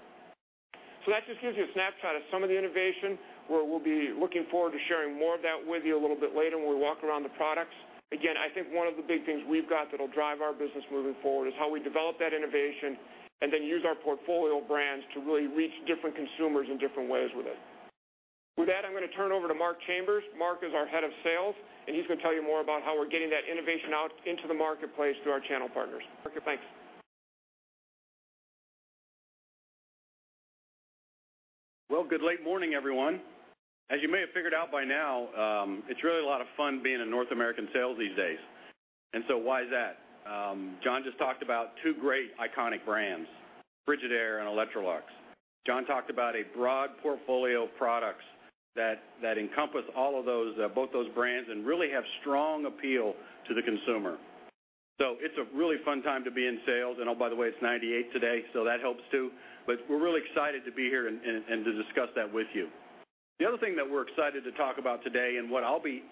That just gives you a snapshot of some of the innovation, where we'll be looking forward to sharing more of that with you a little bit later when we walk around the products. Again, I think one of the big things we've got that'll drive our business moving forward is how we develop that innovation and then use our portfolio of brands to really reach different consumers in different ways with it. With that, I'm going to turn it over to Mark Chambers. Mark is our Head of Sales, and he's going to tell you more about how we're getting that innovation out into the marketplace through our channel partners. Mark, thanks. Well, good late morning, everyone. As you may have figured out by now, it's really a lot of fun being in North American sales these days. Why is that? John just talked about two great iconic brands, Frigidaire and Electrolux. John talked about a broad portfolio of products that encompass all of those, both those brands, and really have strong appeal to the consumer. So it's a really fun time to be in sales, and oh, by the way, it's 98 today, so that helps, too. But we're really excited to be here and to discuss that with you. The other thing that we're excited to talk about today, and what I'll be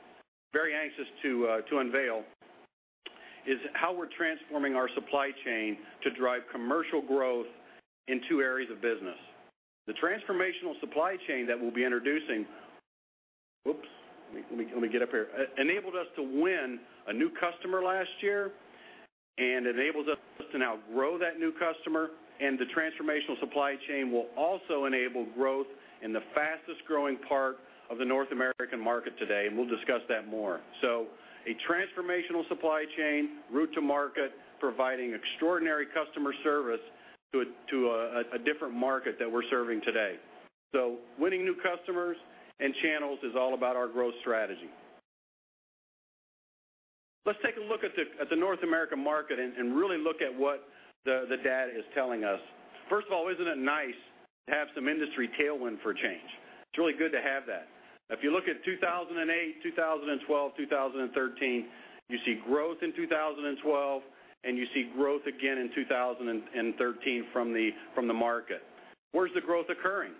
very anxious to unveil, is how we're transforming our supply chain to drive commercial growth in two areas of business. The transformational supply chain that we'll be introducing... Oops, let me get up here. Enabled us to win a new customer last year, and enables us to now grow that new customer, and the transformational supply chain will also enable growth in the fastest-growing part of the North American market today, and we'll discuss that more. A transformational supply chain, route to market, providing extraordinary customer service to a different market that we're serving today. Winning new customers and channels is all about our growth strategy. Let's take a look at the North American market and really look at what the data is telling us. First of all, isn't it nice to have some industry tailwind for change? It's really good to have that. If you look at 2008, 2012, 2013, you see growth in 2012, and you see growth again in 2013 from the market. Where's the growth occurring?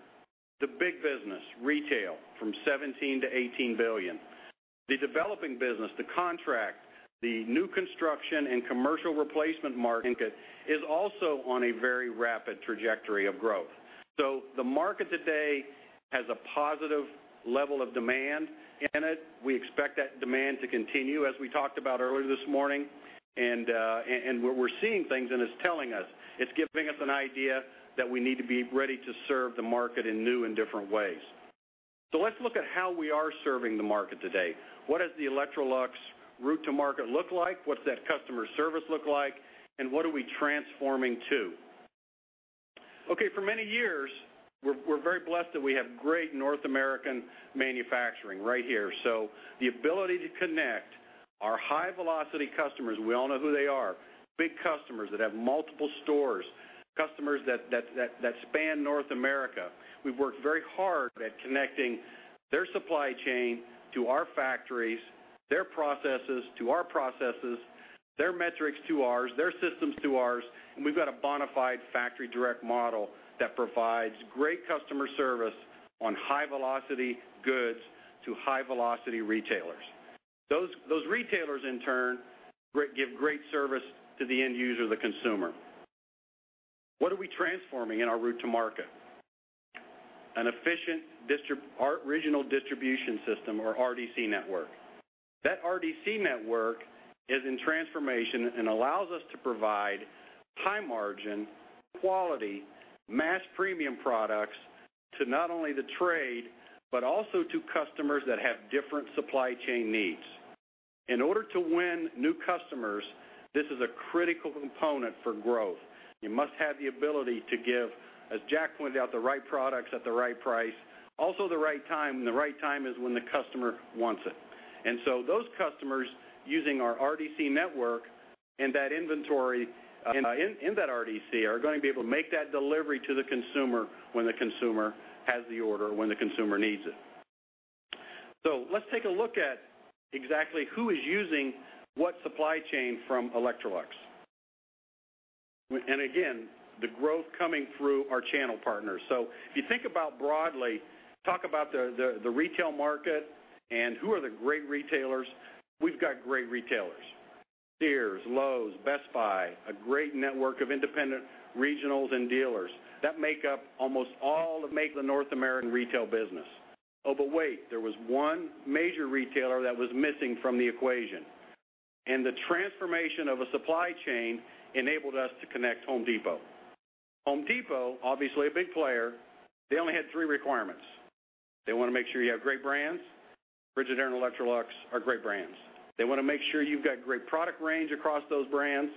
The big business, retail, from $17 billion to $18 billion. The developing business, the contract, the new construction and commercial replacement market, is also on a very rapid trajectory of growth. The market today has a positive level of demand in it. We expect that demand to continue, as we talked about earlier this morning, and we're seeing things, and it's telling us, it's giving us an idea that we need to be ready to serve the market in new and different ways. Let's look at how we are serving the market today. What does the Electrolux route to market look like? What's that customer service look like, and what are we transforming to? For many years, we're very blessed that we have great North American manufacturing right here. The ability to connect our high-velocity customers, we all know who they are, big customers that have multiple stores, customers that span North America. We've worked very hard at connecting their supply chain to our factories, their processes to our processes, their metrics to ours, their systems to ours, and we've got a bonafide factory direct model that provides great customer service on high-velocity goods to high-velocity retailers. Those retailers, in turn, give great service to the end user, the consumer. What are we transforming in our route to market? An efficient regional distribution system, or RDC network. That RDC network is in transformation and allows us to provide high margin, quality, mass premium products to not only the trade, but also to customers that have different supply chain needs. In order to win new customers, this is a critical component for growth. You must have the ability to give, as Jack pointed out, the right products at the right price, also the right time, and the right time is when the customer wants it. Those customers, using our RDC network and that inventory in that RDC, are going to be able to make that delivery to the consumer when the consumer has the order, when the consumer needs it. Let's take a look at exactly who is using what supply chain from Electrolux. Again, the growth coming through our channel partners. If you think about broadly, talk about the retail market and who are the great retailers, we've got great retailers. Sears, Lowe's, Best Buy, a great network of independent regionals and dealers that make up almost all of the North American retail business. Wait, there was one major retailer that was missing from the equation, and the transformation of a supply chain enabled us to connect Home Depot. Home Depot, obviously a big player, they only had three requirements. They want to make sure you have great brands. Frigidaire and Electrolux are great brands. They want to make sure you've got great product range across those brands.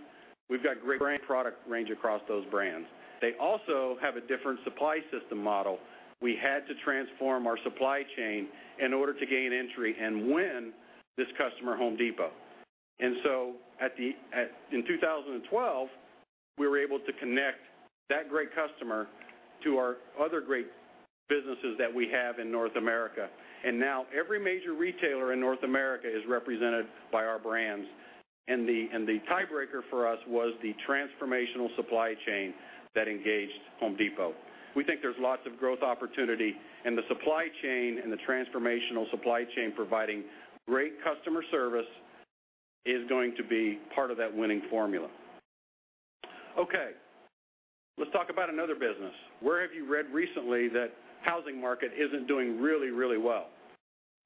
We've got great brand product range across those brands. They also have a different supply system model. We had to transform our supply chain in order to gain entry and win this customer, Home Depot. At the in 2012, we were able to connect that great customer to our other great businesses that we have in North America. Now every major retailer in North America is represented by our brands. The tiebreaker for us was the transformational supply chain that engaged Home Depot. We think there's lots of growth opportunity, and the supply chain and the transformational supply chain providing great customer service, is going to be part of that winning formula. Okay, let's talk about another business. Where have you read recently that housing market isn't doing really, really well?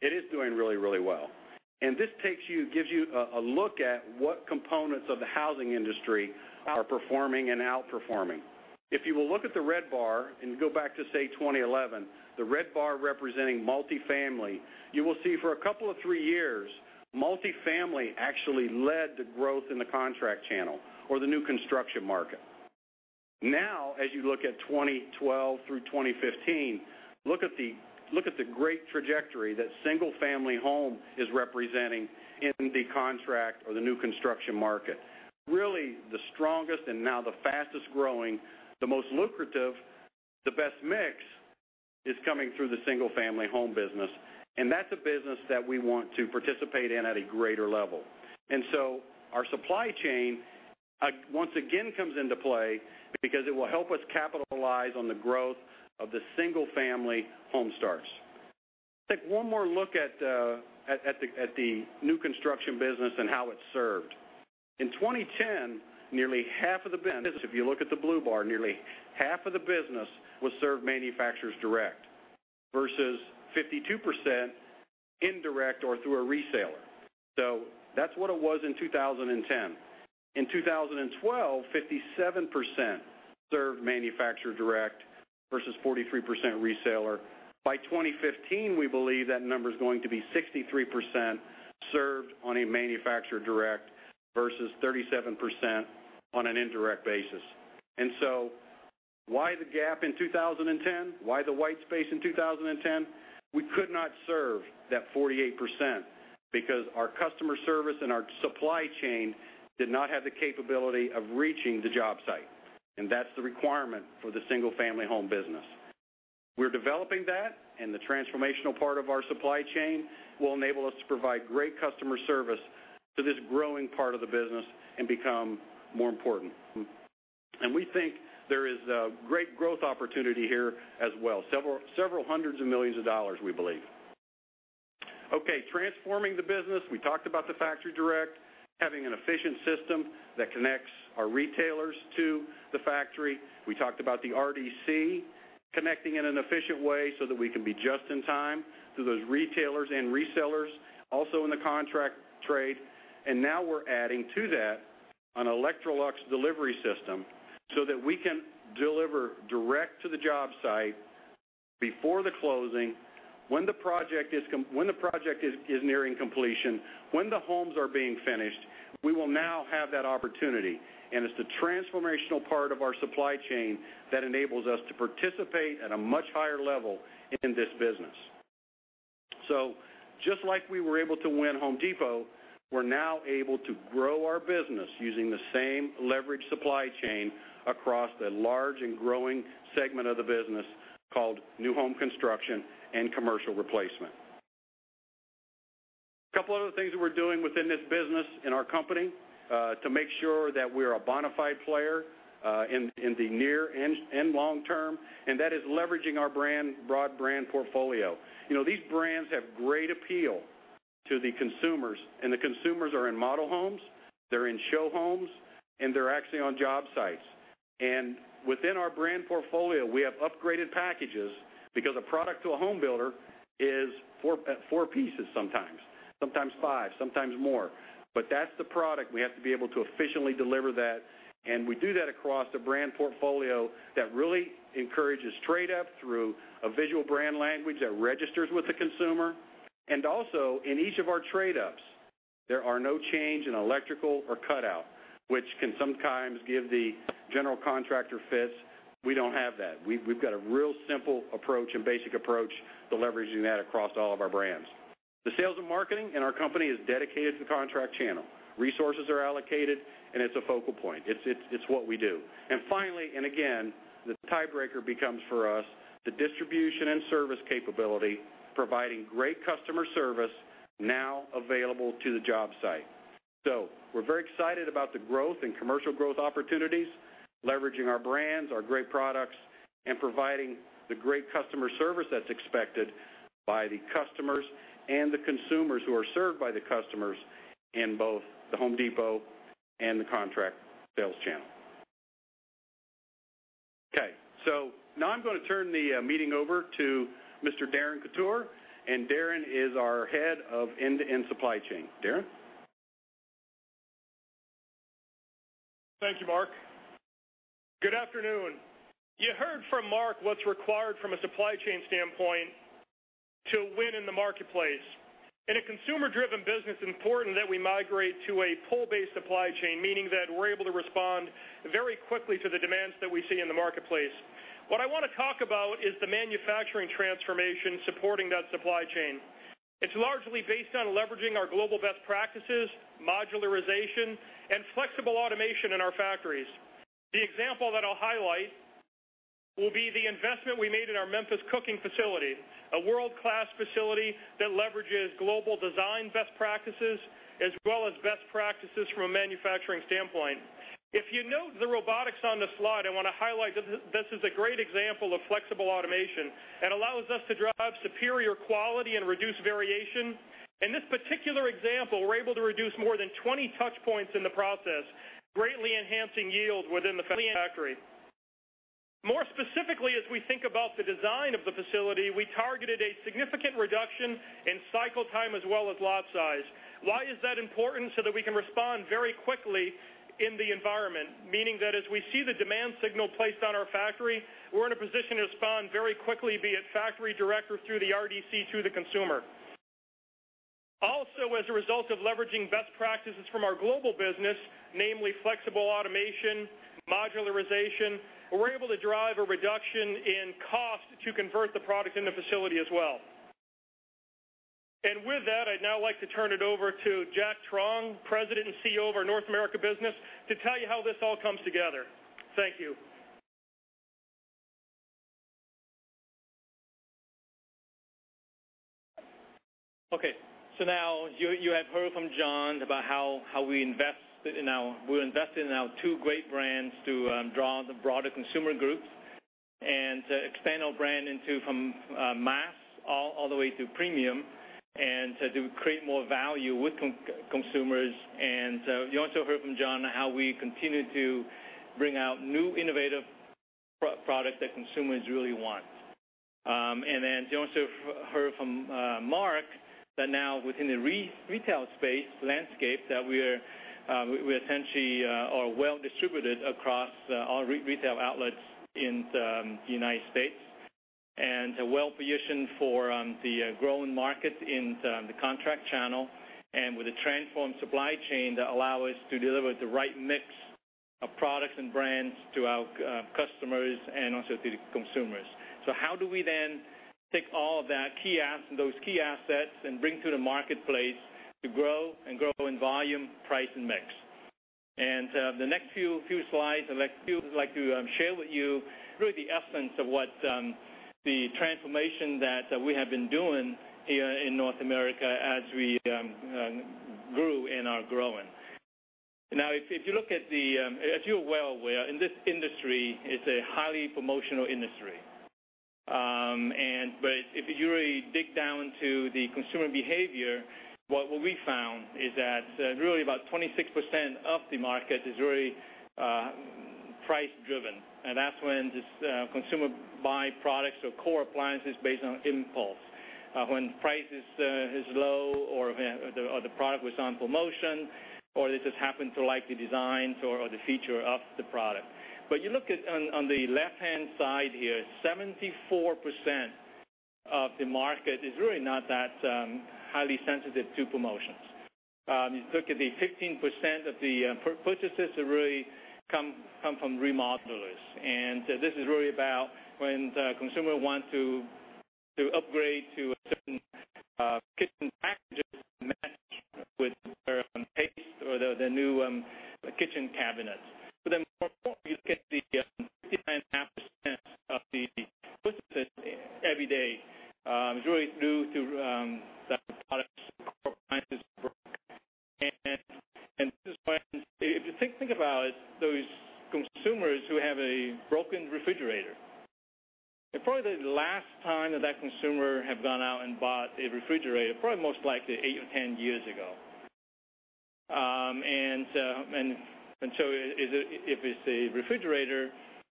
It is doing really, really well. This takes you, gives you a look at what components of the housing industry are performing and outperforming. If you will look at the red bar and go back to, say, 2011, the red bar representing multifamily, you will see for a couple of three years, multifamily actually led to growth in the contract channel or the new construction market. As you look at 2012 through 2015, look at the great trajectory that single-family home is representing in the contract or the new construction market. Really, the strongest and now the fastest-growing, the most lucrative, the best mix, is coming through the single-family home business, and that's a business that we want to participate in at a greater level. So our supply chain once again comes into play because it will help us capitalize on the growth of the single-family home starts. Take one more look at the new construction business and how it's served. In 2010, nearly half of the business, if you look at the blue bar, nearly half of the business was served manufacturers direct, versus 52% indirect or through a reseller. That's what it was in 2010. In 2012, 57% served manufacturer direct versus 43% reseller. By 2015, we believe that number is going to be 63% served on a manufacturer direct versus 37% on an indirect basis. Why the gap in 2010? Why the white space in 2010? We could not serve that 48% because our customer service and our supply chain did not have the capability of reaching the job site, and that's the requirement for the single-family home business. We're developing that, the transformational part of our supply chain will enable us to provide great customer service to this growing part of the business and become more important. We think there is a great growth opportunity here as well. Several hundreds of millions of dollars, we believe. Okay, transforming the business. We talked about the factory direct, having an efficient system that connects our retailers to the factory. We talked about the RDC connecting in an efficient way so that we can be just in time to those retailers and resellers also in the contract trade. Now we're adding to that an Electrolux delivery system, so that we can deliver direct to the job site before the closing. When the project is nearing completion, when the homes are being finished, we will now have that opportunity. It's the transformational part of our supply chain that enables us to participate at a much higher level in this business. Just like we were able to win Home Depot, we're now able to grow our business using the same leveraged supply chain across the large and growing segment of the business called new home construction and commercial replacement. A couple other things that we're doing within this business in our company, to make sure that we're a bona fide player, in the near and long term, and that is leveraging our brand, broad brand portfolio. You know, these brands have great appeal to the consumers, and the consumers are in model homes, they're in show homes, and they're actually on job sites. Within our brand portfolio, we have upgraded packages because a product to a home builder is four pieces, sometimes five, sometimes more. That's the product. We have to be able to efficiently deliver that, and we do that across the brand portfolio. That really encourages trade up through a visual brand language that registers with the consumer. Also, in each of our trade ups, there are no change in electrical or cutout, which can sometimes give the general contractor fits. We don't have that. We've got a real simple approach and basic approach to leveraging that across all of our brands. The sales and marketing in our company is dedicated to the contract channel. Resources are allocated, and it's a focal point. It's what we do. Finally, and again, the tiebreaker becomes for us, the distribution and service capability, providing great customer service now available to the job site. We're very excited about the growth and commercial growth opportunities, leveraging our brands, our great products, and providing the great customer service that's expected by the customers and the consumers who are served by the customers in both The Home Depot and the contract sales channel. Now I'm going to turn the meeting over to Mr. Darrin Couture, and Darrin is our Head of End-to-End Supply Chain. Darrin? Thank you, Mark. Good afternoon. You heard from Mark what's required from a supply chain standpoint to win in the marketplace. In a consumer-driven business, it's important that we migrate to a pull-based supply chain, meaning that we're able to respond very quickly to the demands that we see in the marketplace. What I want to talk about is the manufacturing transformation supporting that supply chain. It's largely based on leveraging our global best practices, modularization, and flexible automation in our factories. The example that I'll highlight will be the investment we made in our Memphis cooking facility, a world-class facility that leverages global design best practices, as well as best practices from a manufacturing standpoint. If you note the robotics on the slide, I want to highlight that this is a great example of flexible automation and allows us to drive superior quality and reduce variation. In this particular example, we're able to reduce more than 20 touch points in the process, greatly enhancing yield within the factory. More specifically, as we think about the design of the facility, we targeted a significant reduction in cycle time as well as lot size. Why is that important? That we can respond very quickly in the environment, meaning that as we see the demand signal placed on our factory, we're in a position to respond very quickly, be it factory direct or through the RDC to the consumer. As a result of leveraging best practices from our global business, namely flexible automation, modularization, we're able to drive a reduction in cost to convert the product in the facility as well. With that, I'd now like to turn it over to Jack Truong, President and CEO of our North America business, to tell you how this all comes together. Thank you. Now you have heard from John about how we invest in our two great brands to draw the broader consumer groups and to expand our brand into from mass all the way to premium, and to create more value with consumers. You also heard from John how we continue to bring out new, innovative products that consumers really want. Then you also heard from Mark, that now within the retail space landscape, that we are, we essentially, are well distributed across all retail outlets in the United States, and well-positioned for the growing market in the contract channel, and with a transformed supply chain that allow us to deliver the right mix of products and brands to our customers and also to the consumers. How do we then take all of that key assets, those key assets, and bring to the marketplace to grow and grow in volume, price, and mix? The next few slides, I'd like to share with you really the essence of what the transformation that we have been doing here in North America as we grew and are growing. As you're well aware, in this industry, it's a highly promotional industry. If you really dig down to the consumer behavior, what we found is that really about 26% of the market is really price driven, and that's when this consumer buy products or core appliances based on impulse. When price is low, or the product was on promotion, or they just happen to like the designs or the feature of the product. You look at, on the left-hand side here, 74% of the market is really not that highly sensitive to promotions. You look at the 15% of the purchases that really come from remodelers. This is really about when the consumer want to upgrade to a certain kitchen packages match with their taste or the new kitchen cabinets. You look at the 59.5% of the purchases every day is really due to the products, appliances. If you think about it, those consumers who have a broken refrigerator, and probably the last time that that consumer have gone out and bought a refrigerator, probably most likely eight or 10 years ago. So is it, if it's a refrigerator,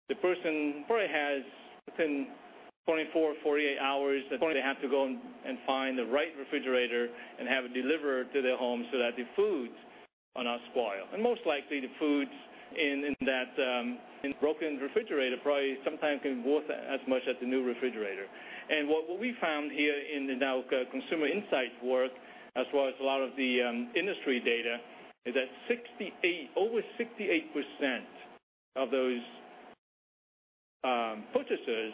the person probably has within 24, 48 hours, they're going to have to go and find the right refrigerator and have it delivered to their home so that the foods will not spoil. Most likely, the foods in that in broken refrigerator probably sometimes can be worth as much as the new refrigerator. What we found here in the now consumer insight work, as well as a lot of the industry data, is that over 68% of those purchasers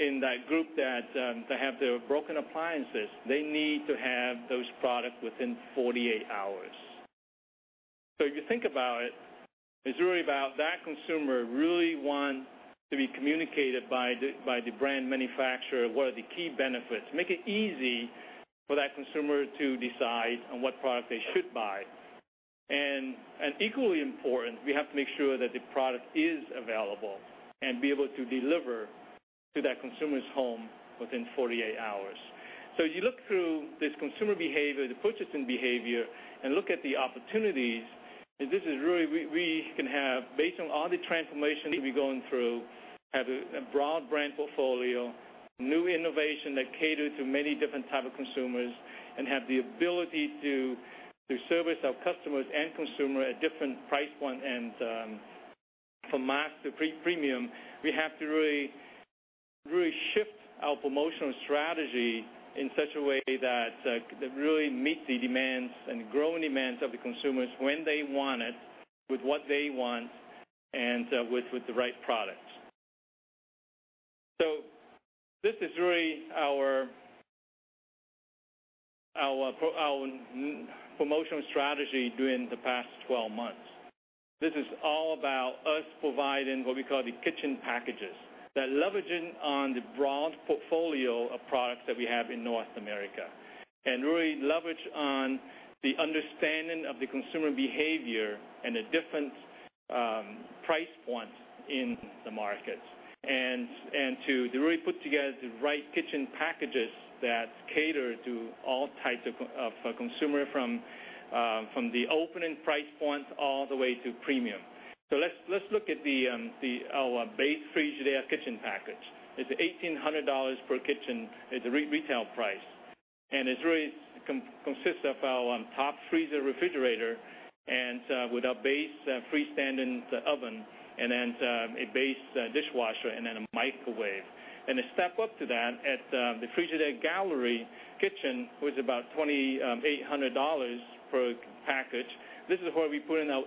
in that group that have the broken appliances, they need to have those products within 48 hours. If you think about it's really about that consumer really want to be communicated by the brand manufacturer, what are the key benefits? Make it easy for that consumer to decide on what product they should buy. Equally important, we have to make sure that the product is available and be able to deliver to that consumer's home within 48 hours. You look through this consumer behavior, the purchasing behavior, and look at the opportunities, and this is really we can have, based on all the transformation we've been going through, have a broad brand portfolio, new innovation that cater to many different type of consumers, and have the ability to service our customers and consumer at different price point, from mass to premium, we have to really shift our promotional strategy in such a way that really meets the demands and growing demands of the consumers when they want it, with what they want, with the right products. This is really our promotional strategy during the past 12 months. This is all about us providing what we call the kitchen packages, that leveraging on the broad portfolio of products that we have in North America, and really leverage on the understanding of the consumer behavior and the different price points in the markets. to really put together the right kitchen packages that cater to all types of consumer from the opening price points all the way to premium. let's look at our base Frigidaire kitchen package. It's $1,800 per kitchen at the retail price. It really consists of our top freezer refrigerator, and with our base freestanding oven, and then a base dishwasher, and then a microwave. A step up to that, at the Frigidaire Gallery Kitchen, was about $2,800 per package. This is where we put in our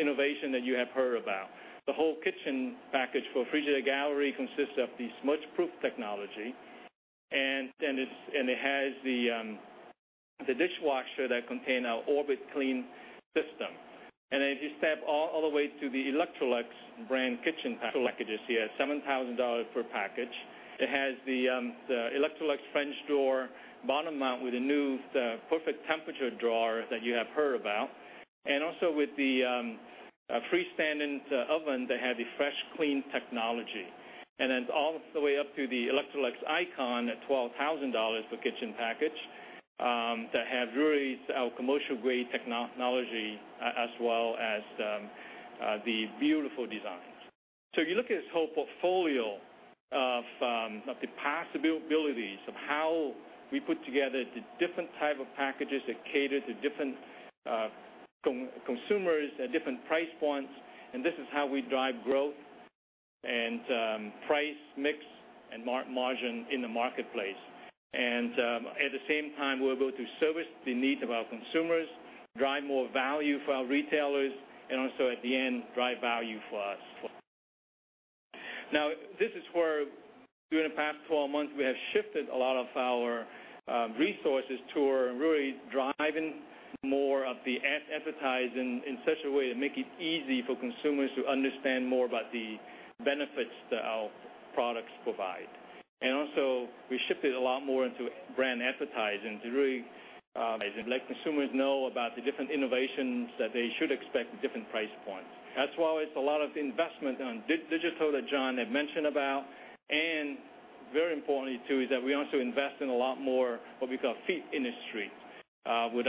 innovation that you have heard about. The whole kitchen package for Frigidaire Gallery consists of the smudge-proof technology, and it has the dishwasher that contain our OrbitClean system. If you step all the way to the Electrolux brand kitchen packages here, at $7,000 per package, it has the Electrolux French door bottom mount with a new Perfect Temp Drawer that you have heard about, and also with the a freestanding oven that have the Fresh Clean Technology. All the way up to the Electrolux ICON at $12,000 per kitchen package, that have really our commercial-grade technology, as well as the beautiful designs. You look at this whole portfolio of the possibilities, of how we put together the different type of packages that cater to different consumers at different price points, and this is how we drive growth and price, mix, and margin in the marketplace. At the same time, we're able to service the needs of our consumers, drive more value for our retailers, and also, at the end, drive value for us. This is where, during the past 12 months, we have shifted a lot of our resources to really driving more of the advertising in such a way to make it easy for consumers to understand more about the benefits that our products provide. We shifted a lot more into brand advertising to really let consumers know about the different innovations that they should expect at different price points. That's why it's a lot of investment on digital that John had mentioned about. Very importantly, too, is that we also invest in a lot more, what we call, feet in the street, with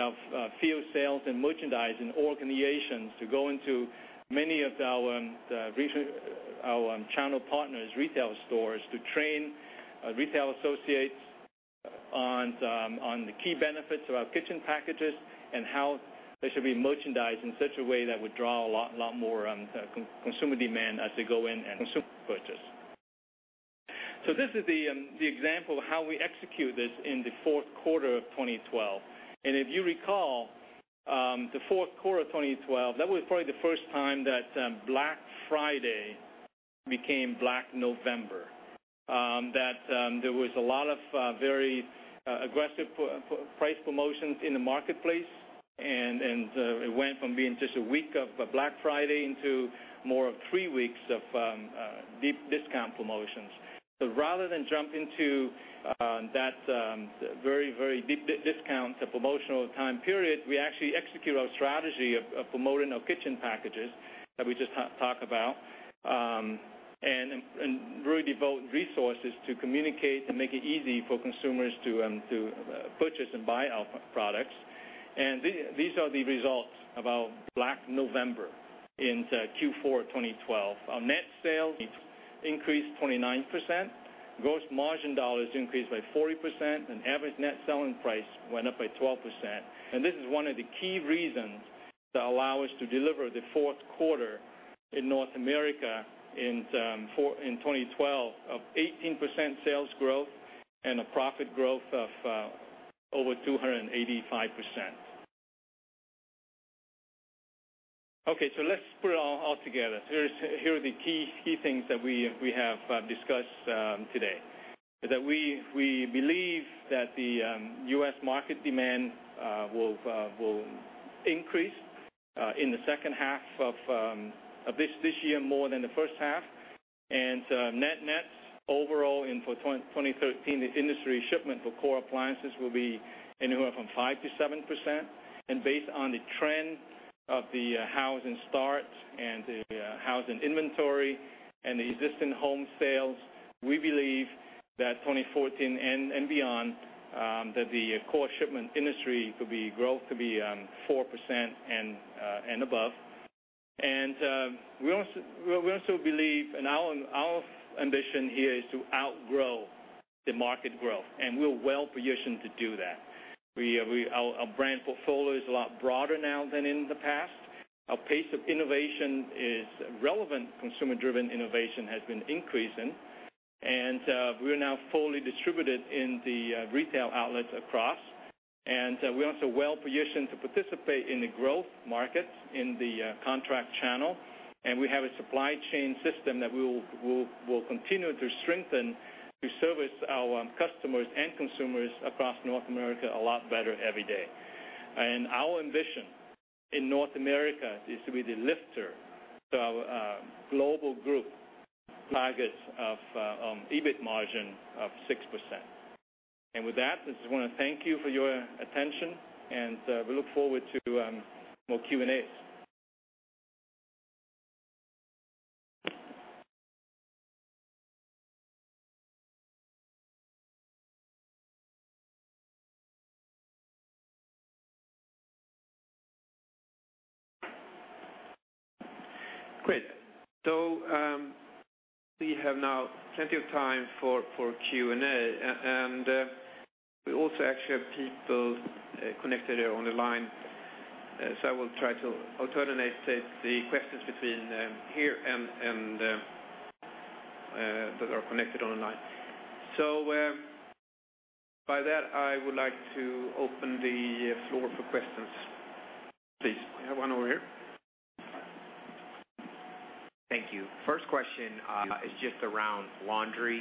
our channel partners' retail stores to train retail associates on the key benefits of our kitchen packages and how they should be merchandised in such a way that would draw a lot more consumer demand as they go in and consumer purchase. This is the example of how we execute this in the fourth quarter of 2012. If you recall, the fourth quarter of 2012, that was probably the first time that Black Friday became Black November. That there was a lot of very aggressive price promotions in the marketplace, and it went from being just a week of Black Friday into more of three weeks of deep discount promotions. Rather than jump into that very, very big discount, the promotional time period, we actually execute our strategy of promoting our kitchen packages that we just talked about, and really devote resources to communicate and make it easy for consumers to purchase and buy our products. These are the results of our Black November into Q4 of 2012. Our net sales increased 29%, gross margin dollars increased by 40%, and average net selling price went up by 12%. This is one of the key reasons that allow us to deliver the fourth quarter in North America in 2012, of 18% sales growth and a profit growth of over 285%. Okay, let's put it all together. Here are the key things that we have discussed today. We believe that the U.S. market demand will increase in the second half of this year more than the first half. Net, overall in 2013, the industry shipment for core appliances will be anywhere from 5%-7%. Based on the trend of the housing starts and the housing inventory and the existing home sales, we believe that 2014 and beyond, that the core shipment industry growth could be 4% and above. We also believe, and our ambition here is to outgrow the market growth, and we're well-positioned to do that. Our brand portfolio is a lot broader now than in the past. Our pace of innovation is relevant, consumer-driven innovation has been increasing, and we're now fully distributed in the retail outlets across. We're also well-positioned to participate in the growth markets in the contract channel, and we have a supply chain system that we will continue to strengthen to service our customers and consumers across North America a lot better every day. Our ambition in North America is to be the lifter to our global group targets of EBIT margin of 6%. With that, I just wanna thank you for your attention, and we look forward to more Q&As. Great. We have now plenty of time for Q&A, and we also actually have people connected on the line. I will try to alternate the questions between here and that are connected on the line. By that, I would like to open the floor for questions. Please, we have one over here. Thank you. First question is just around laundry.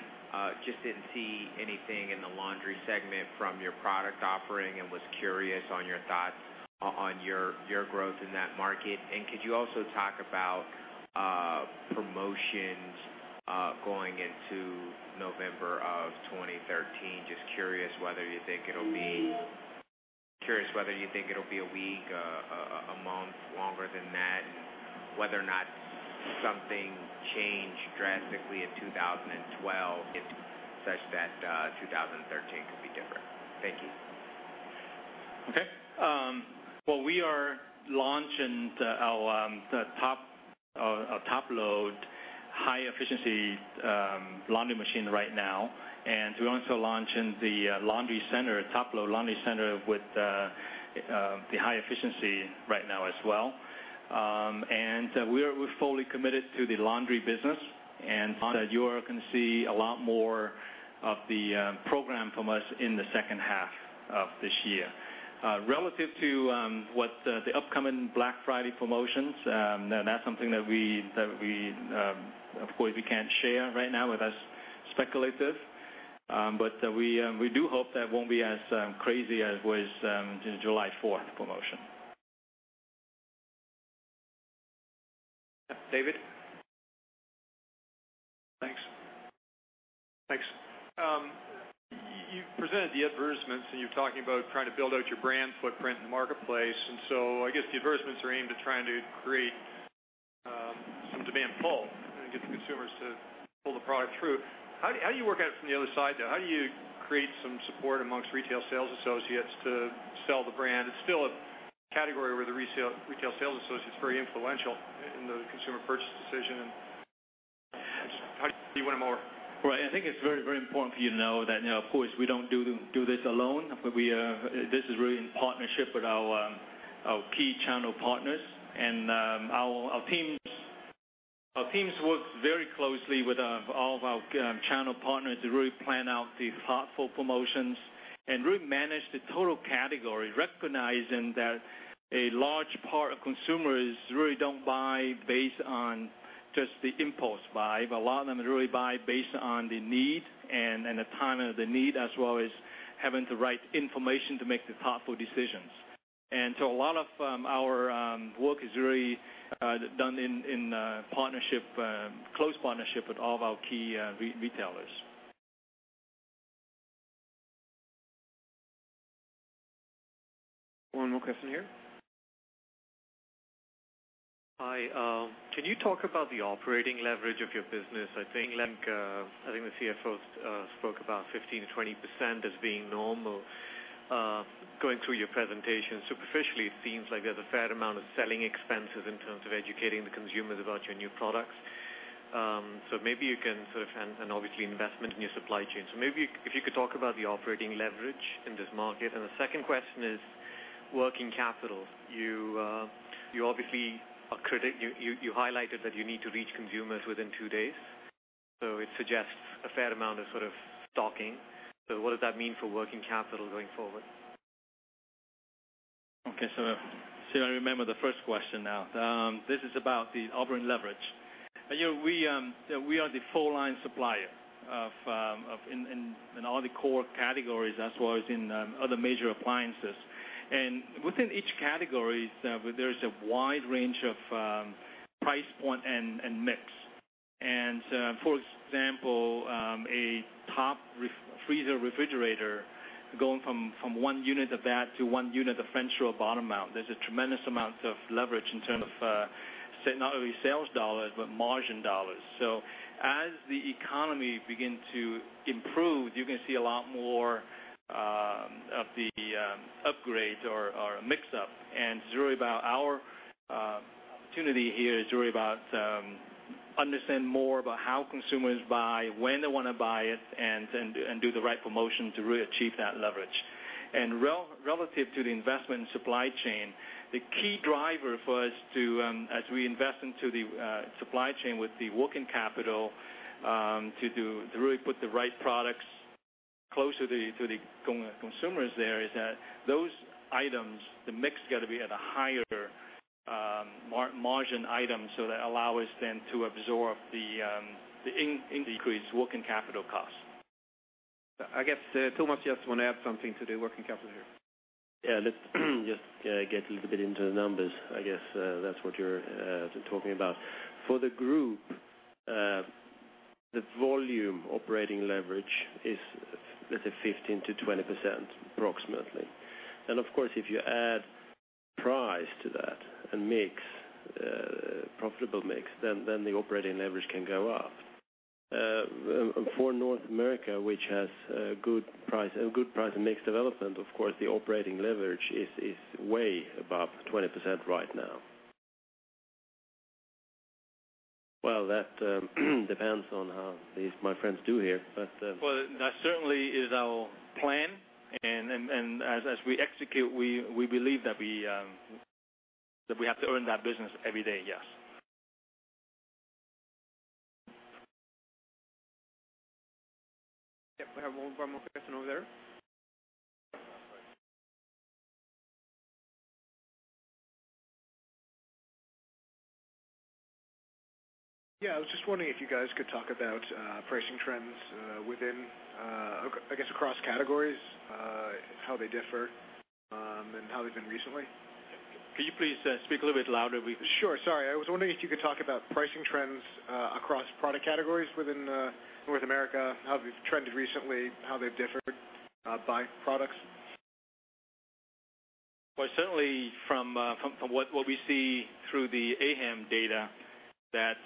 Just didn't see anything in the laundry segment from your product offering and was curious on your thoughts on your growth in that market. Could you also talk about promotions going into November of 2013? Just curious whether you think it'll be a week, a month, longer than that, whether or not something changed drastically in 2012, if such that 2013 could be different. Thank you. Okay. Well, we are launching the, our, the top, a top-load, high-efficiency, laundry machine right now, and we're also launching the, laundry center, top-load laundry center with the high efficiency right now as well. We're fully committed to the laundry business, and you are going to see a lot more of the, program from us in the second half of this year. Relative to, what, the upcoming Black Friday promotions, that's something that we, of course, we can't share right now with that speculative. We, we do hope that won't be as, crazy as was, the July fourth promotion. David? Thanks. Thanks. You presented the advertisements, and you're talking about trying to build out your brand footprint in the marketplace. I guess the advertisements are aimed at trying to create some demand pull and get the consumers to pull the product through. How do you work out from the other side, though? How do you create some support amongst retail sales associates to sell the brand? It's still a category where the retail sales associate is very influential in the consumer purchase decision. How do you win them over? Right. I think it's very, very important for you to know that, you know, of course, we don't do this alone, but we, this is really in partnership with our key channel partners. Our teams work very closely with all of our channel partners to really plan out the thoughtful promotions and really manage the total category, recognizing that a large part of consumers really don't buy based on just the impulse buy. A lot of them really buy based on the need and the time of the need, as well as having the right information to make the thoughtful decisions. A lot of our work is really done in close partnership with all of our key retailers. One more question here. Hi. Can you talk about the operating leverage of your business? I think, I think the CFO spoke about 15%-20% as being normal. Going through your presentation, superficially, it seems like there's a fair amount of selling expenses in terms of educating the consumers about your new products. Obviously investment in your supply chain. Maybe if you could talk about the operating leverage in this market. The second question is working capital. You obviously are. You highlighted that you need to reach consumers within two days, so it suggests a fair amount of sort of stocking. What does that mean for working capital going forward? Okay. See, I remember the first question now. This is about the operating leverage. You know, we are the full-line supplier of, in all the core categories, as well as in other major appliances. Within each categories, there is a wide range of price point and mix. For example, a top freezer refrigerator, going from one unit of that to one unit of French door bottom mount, there's a tremendous amount of leverage in terms of not only sales dollars, but margin dollars. As the economy begin to improve, you can see a lot more of the upgrade or a mix-up. It's really about our opportunity here is really about understand more about how consumers buy, when they want to buy it, and do the right promotion to really achieve that leverage. Relative to the investment supply chain, the key driver for us to as we invest into the supply chain with the working capital, to really put the right products closer to the consumers there, is that those items, the mix got to be at a higher margin item, so that allow us then to absorb the increased working capital costs. I guess, Tomas, just want to add something to the working capital here. Yeah, let's just get a little bit into the numbers. I guess that's what you're talking about. For the group, the volume operating leverage is let's say 15%-20%, approximately. Of course, if you add price to that and mix, profitable mix, then the operating leverage can go up for North America, which has a good price and mixed development, of course, the operating leverage is way above 20% right now. That, depends on how these my friends do here, but. Well, that certainly is our plan. As we execute, we believe that we have to earn that business every day, yes. Yep, we have one more person over there. I was just wondering if you guys could talk about pricing trends within I guess, across categories, how they differ, and how they've been recently? Can you please speak a little bit louder? Sure. Sorry. I was wondering if you could talk about pricing trends, across product categories within North America, how they've trended recently, how they've differed, by products? Well, certainly from what we see through the AM data, that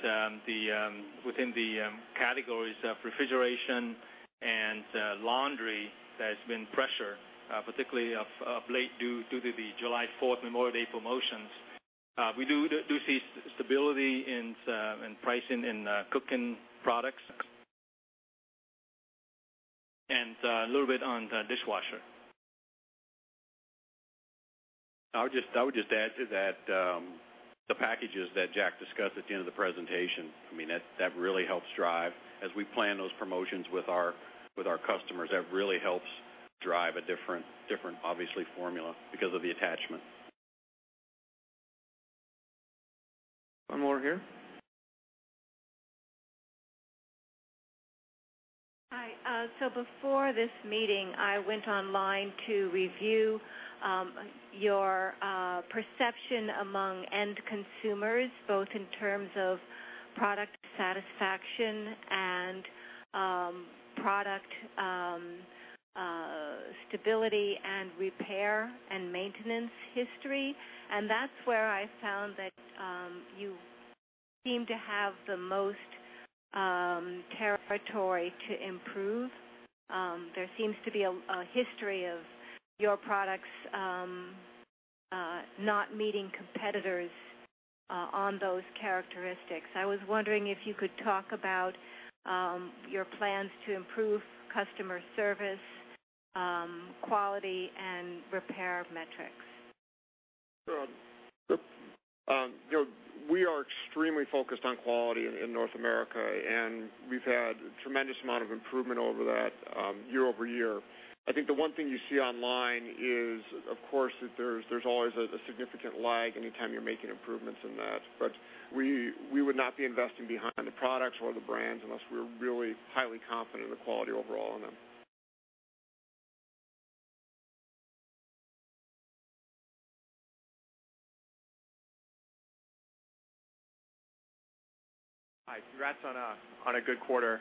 the within the categories of refrigeration and laundry, there's been pressure, particularly of late due to the July Fourth Memorial Day promotions. We do see stability in pricing, in cooking products. A little bit on the dishwasher. I would just add to that, the packages that Jack discussed at the end of the presentation, I mean, that really helps drive. As we plan those promotions with our customers, that really helps drive a different, obviously, formula because of the attachment. One more here. Hi. Before this meeting, I went online to review your perception among end consumers, both in terms of product satisfaction and product stability and repair and maintenance history. That's where I found that you seem to have the most territory to improve. There seems to be a history of your products not meeting competitors on those characteristics. I was wondering if you could talk about your plans to improve customer service, quality and repair metrics. You know, we are extremely focused on quality in North America, and we've had tremendous amount of improvement over that, year-over-year. I think the one thing you see online is, of course, that there's always a significant lag anytime you're making improvements in that. We would not be investing behind the products or the brands unless we're really highly confident in the quality overall in them. Hi, congrats on a good quarter.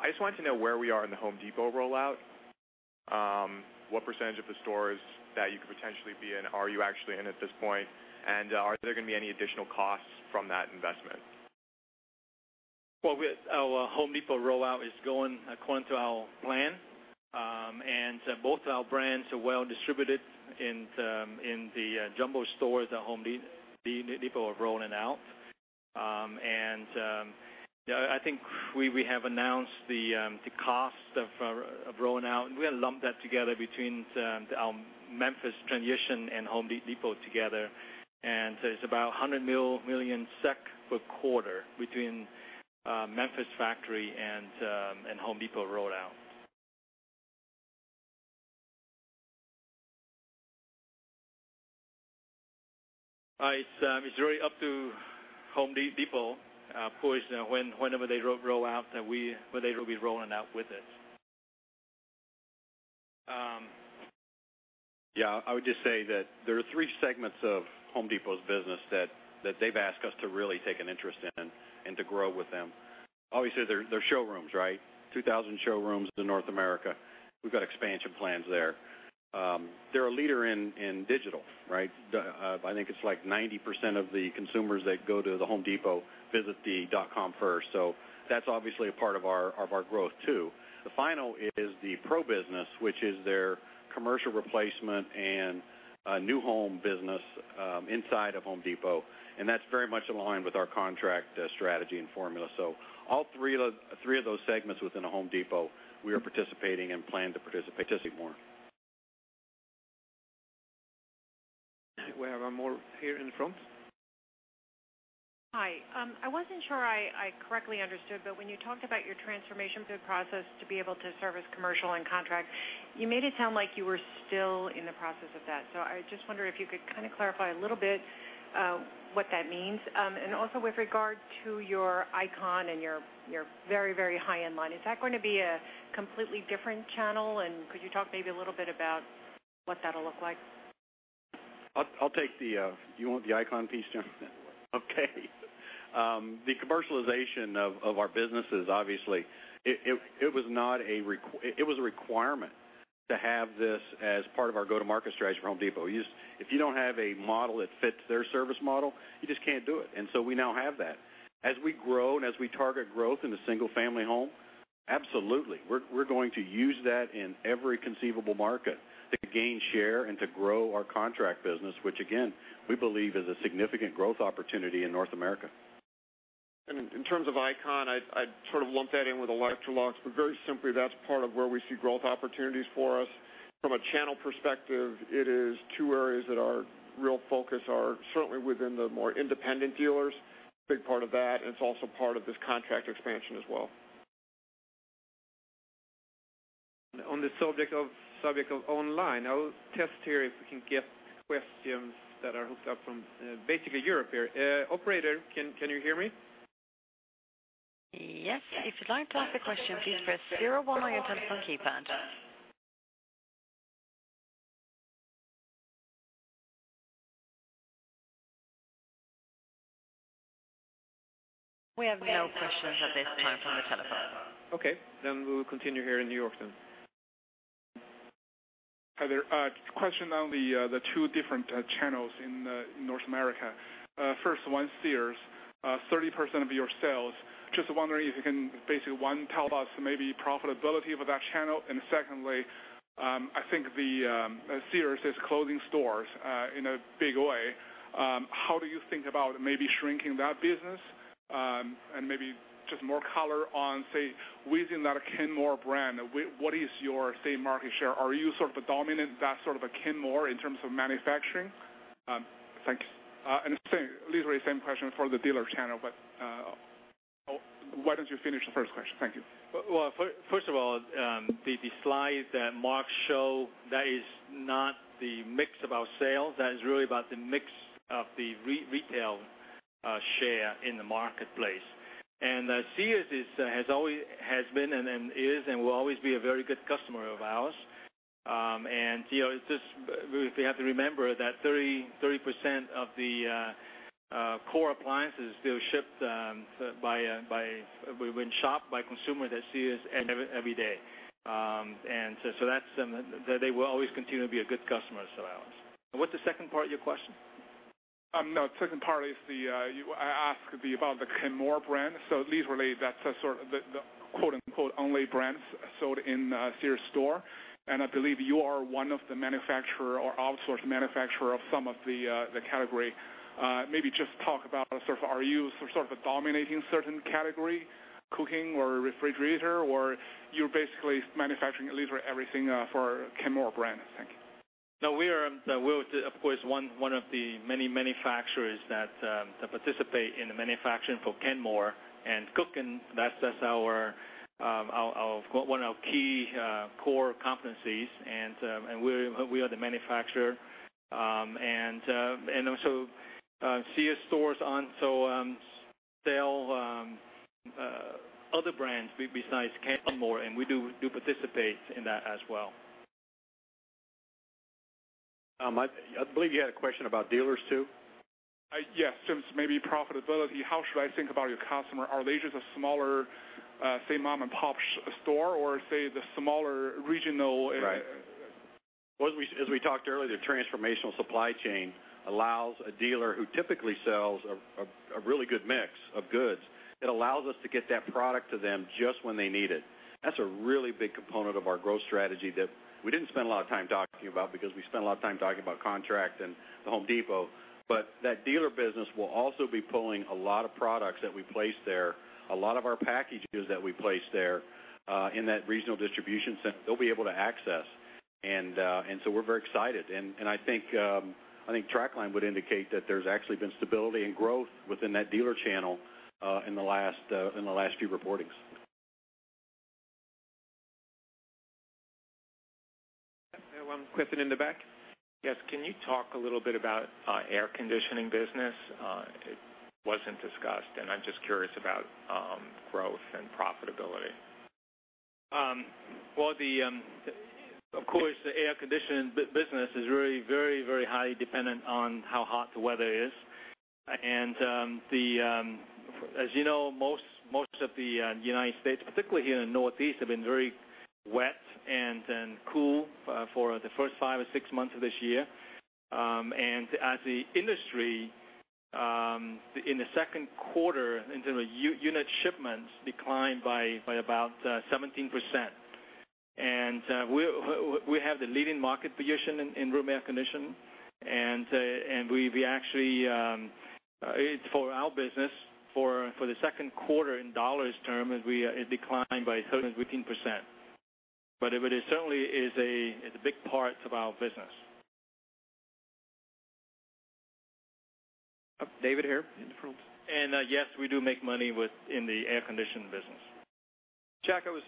I just wanted to know where we are in The Home Depot rollout. What percentage of the stores that you could potentially be in, are you actually in at this point? Are there going to be any additional costs from that investment? Well, our Home Depot rollout is going according to our plan. Both our brands are well distributed in the Jumbo stores, The Home Depot are rolling out. Yeah, I think we have announced the cost of rolling out, we had lumped that together between our Memphis transition and Home Depot together, it's about 100 million SEK per quarter between Memphis factory and Home Depot rollout. It's really up to Home Depot push when, whenever they roll out, when they will be rolling out with it. Yeah, I would just say that there are three segments of Home Depot's business that they've asked us to really take an interest in and to grow with them. Obviously, they're showrooms, right? 2,000 showrooms in North America. We've got expansion plans there. They're a leader in digital, right? I think it's like 90% of the consumers that go to The Home Depot visit the dot com first, that's obviously a part of our growth, too. The final is the Pro business, which is their commercial replacement and new home business inside of Home Depot, that's very much aligned with our contract strategy and formula. All three of those segments within a Home Depot, we are participating and plan to participate more. We have one more here in the front. Hi. I wasn't sure I correctly understood, when you talked about your transformation through process to be able to service commercial and contract, you made it sound like you were still in the process of that. I just wonder if you could kind of clarify a little bit what that means. Also with regard to your ICON and your very, very high-end line, is that going to be a completely different channel? Could you talk maybe a little bit about what that'll look like? I'll take the ICON piece, Jonathan? Okay. The commercialization of our businesses, obviously, it was not a requirement to have this as part of our go-to-market strategy for Home Depot. If you don't have a model that fits their service model, you just can't do it. We now have that. As we grow and as we target growth in the single family home, absolutely, we're going to use that in every conceivable market to gain share and to grow our contract business, which again, we believe is a significant growth opportunity in North America. In terms of ICON, I sort of lump that in with Electrolux, but very simply, that's part of where we see growth opportunities for us. From a channel perspective, it is two areas that our real focus are certainly within the more independent dealers, big part of that, and it's also part of this contract expansion as well. On the subject of online, I will test here if we can get questions that are hooked up from, basically Europe here. Operator, can you hear me? Yes. If you'd like to ask a question, please press zero one on your telephone keypad. We have no questions at this time from the telephone. Okay, we will continue here in New York then. Hi, there. Question on the two different channels in North America. First one, Sears, 30% of your sales. Just wondering if you can basically, one, tell us maybe profitability for that channel. Secondly, I think Sears is closing stores in a big way. How do you think about maybe shrinking that business? Maybe just more color on, say, within that Kenmore brand, what is your, say, market share? Are you sort of a dominant that sort of a Kenmore in terms of manufacturing? Thanks. Same, literally same question for the dealer channel, but why don't you finish the first question? Thank you. Well, first of all, the slide that Mark show, that is not the mix of our sales. That is really about the mix of the retail share in the marketplace. Sears is, has been and then is, and will always be a very good customer of ours. you know, just we have to remember that 30% of the core appliances still shipped by When shopped by consumer, that Sears every day. that's, they will always continue to be a good customer of ours. What's the second part of your question? No, second part is, I ask about the Kenmore brand. Literally, that's a sort of the quote, unquote, "only brands" sold in Sears store. I believe you are one of the manufacturer or outsource manufacturer of some of the category. Just talk about sort of, are you sort of dominating certain category, cooking or refrigerator, or you're basically manufacturing literally everything for Kenmore brand? Thank you. No, we are, of course, one of the many manufacturers that participate in the manufacturing for Kenmore and cooking. That's our one of our key core competencies, and we are the manufacturer. Also, Sears stores sell other brands besides Kenmore, and we do participate in that as well. I believe you had a question about dealers, too. Yes, just maybe profitability. How should I think about your customer? Are they just a smaller, say, mom-and-pop's store or say, the smaller regional- Right. Well, as we talked earlier, the transformational supply chain allows a dealer who typically sells a really good mix of goods. It allows us to get that product to them just when they need it. That's a really big component of our growth strategy that we didn't spend a lot of time talking about because we spent a lot of time talking about contract and The Home Depot. That dealer business will also be pulling a lot of products that we place there, a lot of our packages that we place there, in that regional distribution center, they'll be able to access. So we're very excited. I think TraQline would indicate that there's actually been stability and growth within that dealer channel, in the last few reportings. We have one question in the back. Yes. Can you talk a little bit about air conditioning business? It wasn't discussed. I'm just curious about growth and profitability. Well, of course, the air conditioning business is really very, very highly dependent on how hot the weather is. As you know, most of the United States, particularly here in Northeast, have been very wet and then cool for the first five or six months of this year. As the industry, in the second quarter, in terms of unit shipments, declined by about 17%. We have the leading market position in room air condition. We actually, it's for our business, for the second quarter in $ term, as we, it declined by 13%. It certainly is a, it's a big part of our business. David here. Yes, we do make money in the air conditioning business. Jack, I was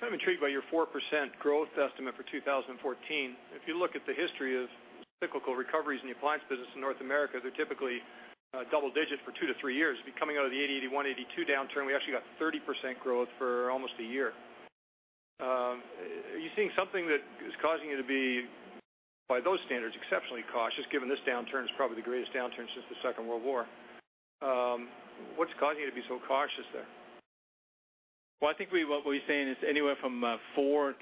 kind of intrigued by your 4% growth estimate for 2014. If you look at the history of cyclical recoveries in the appliance business in North America, they're typically double digit for two to three years. Coming out of the 80, 81, 82 downturn, we actually got 30% growth for almost a year. Are you seeing something that is causing you to be by those standards, exceptionally cautious, given this downturn is probably the greatest downturn since the World War II. What's causing you to be so cautious there? Well, I think what we're saying is anywhere from 4%-5%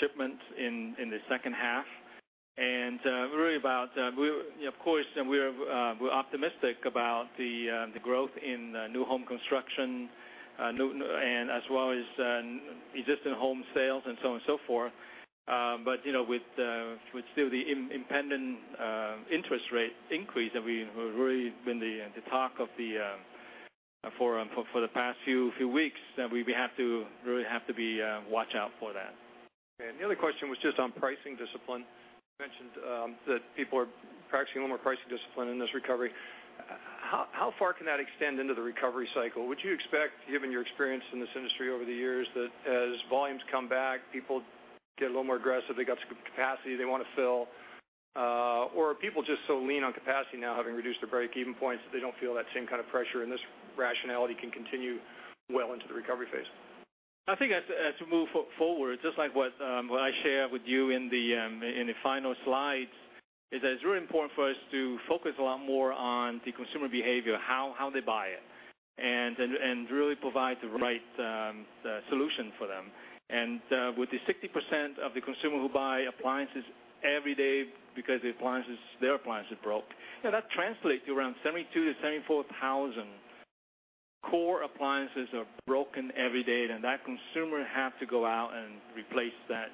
shipments in the second half. Really about, we, of course, and we're optimistic about the growth in new home construction, and as well as existing home sales and so on and so forth. But, you know, with still the impending interest rate increase that really been the talk of the for the past few weeks, that we have to really have to be watch out for that. The other question was just on pricing discipline. You mentioned that people are practicing a little more pricing discipline in this recovery. How far can that extend into the recovery cycle? Would you expect, given your experience in this industry over the years, that as volumes come back, people get a little more aggressive, they got some capacity they want to fill, or are people just so lean on capacity now, having reduced their break-even points, that they don't feel that same kind of pressure, and this rationality can continue well into the recovery phase? I think as we move forward, just like what I shared with you in the final slides, is that it's really important for us to focus a lot more on the consumer behavior, how they buy it, and really provide the right solution for them. With the 60% of the consumer who buy appliances every day because their appliance is broke, yeah, that translates to around 72,000-74,000 core appliances are broken every day, and that consumer have to go out and replace that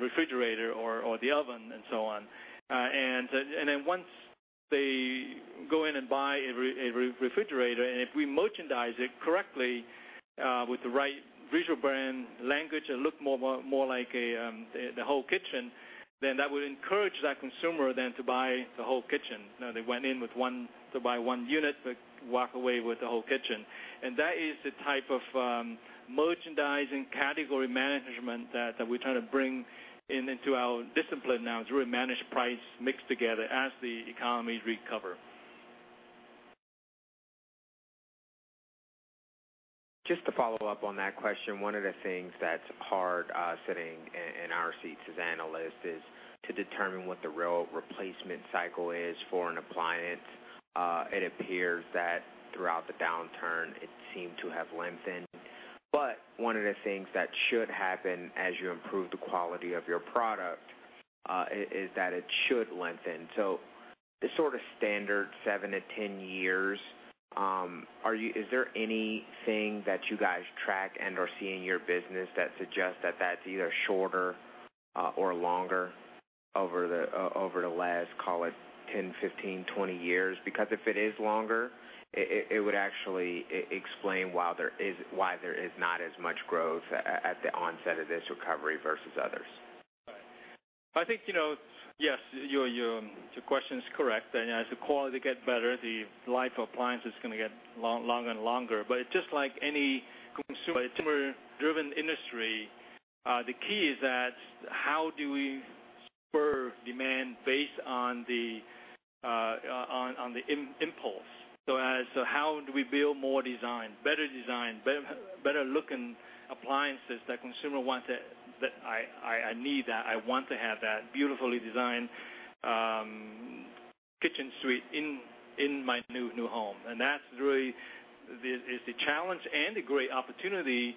refrigerator or the oven and so on. Then, and then once they go in and buy a refrigerator, if we merchandise it correctly, with the right visual brand language and look more like a, the whole kitchen, then that would encourage that consumer then to buy the whole kitchen. They went in to buy one unit, but walk away with the whole kitchen. That is the type of merchandising category management that we're trying to bring in, into our discipline now, to really manage price mixed together as the economy recover. Just to follow up on that question, one of the things that's hard, sitting in our seats as analysts is to determine what the real replacement cycle is for an appliance. It appears that throughout the downturn, it seemed to have lengthened. One of the things that should happen as you improve the quality of your product, is that it should lengthen. The sort of standard seven to 10 years, is there anything that you guys track and are seeing in your business that suggests that that's either shorter, or longer over the last, call it, 10, 15, 20 years? If it is longer, it would actually explain why there is, why there is not as much growth at the onset of this recovery versus others. I think, you know, yes, your question is correct. As the quality get better, the life of appliance is going to get longer and longer. Just like any consumer-driven industry, the key is that how do we spur demand based on the impulse? How do we build more design, better design, better-looking appliances that consumer wants it, that I need that, I want to have that beautifully designed kitchen suite in my new home. That's really the, is the challenge and a great opportunity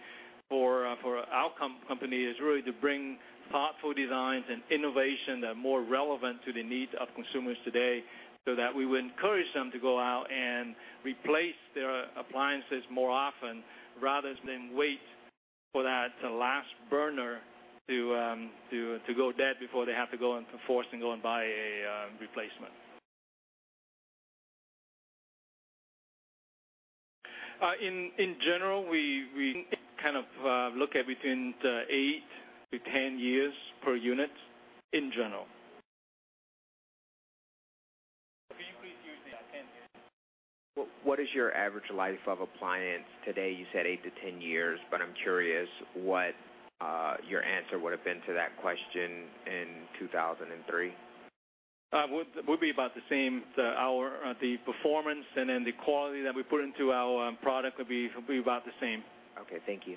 for our company, is really to bring thoughtful designs and innovation that are more relevant to the needs of consumers today, so that we would encourage them to go out and replace their appliances more often rather than wait for that last burner to go dead before they have to go and force and go and buy a replacement. In general, we kind of look at between eight to 10 years per unit in general. Can you please repeat that again? What is your average life of appliance today? You said eight to 10 years, but I'm curious what your answer would have been to that question in 2003. Would be about the same. The performance and then the quality that we put into our product would be about the same. Okay. Thank you.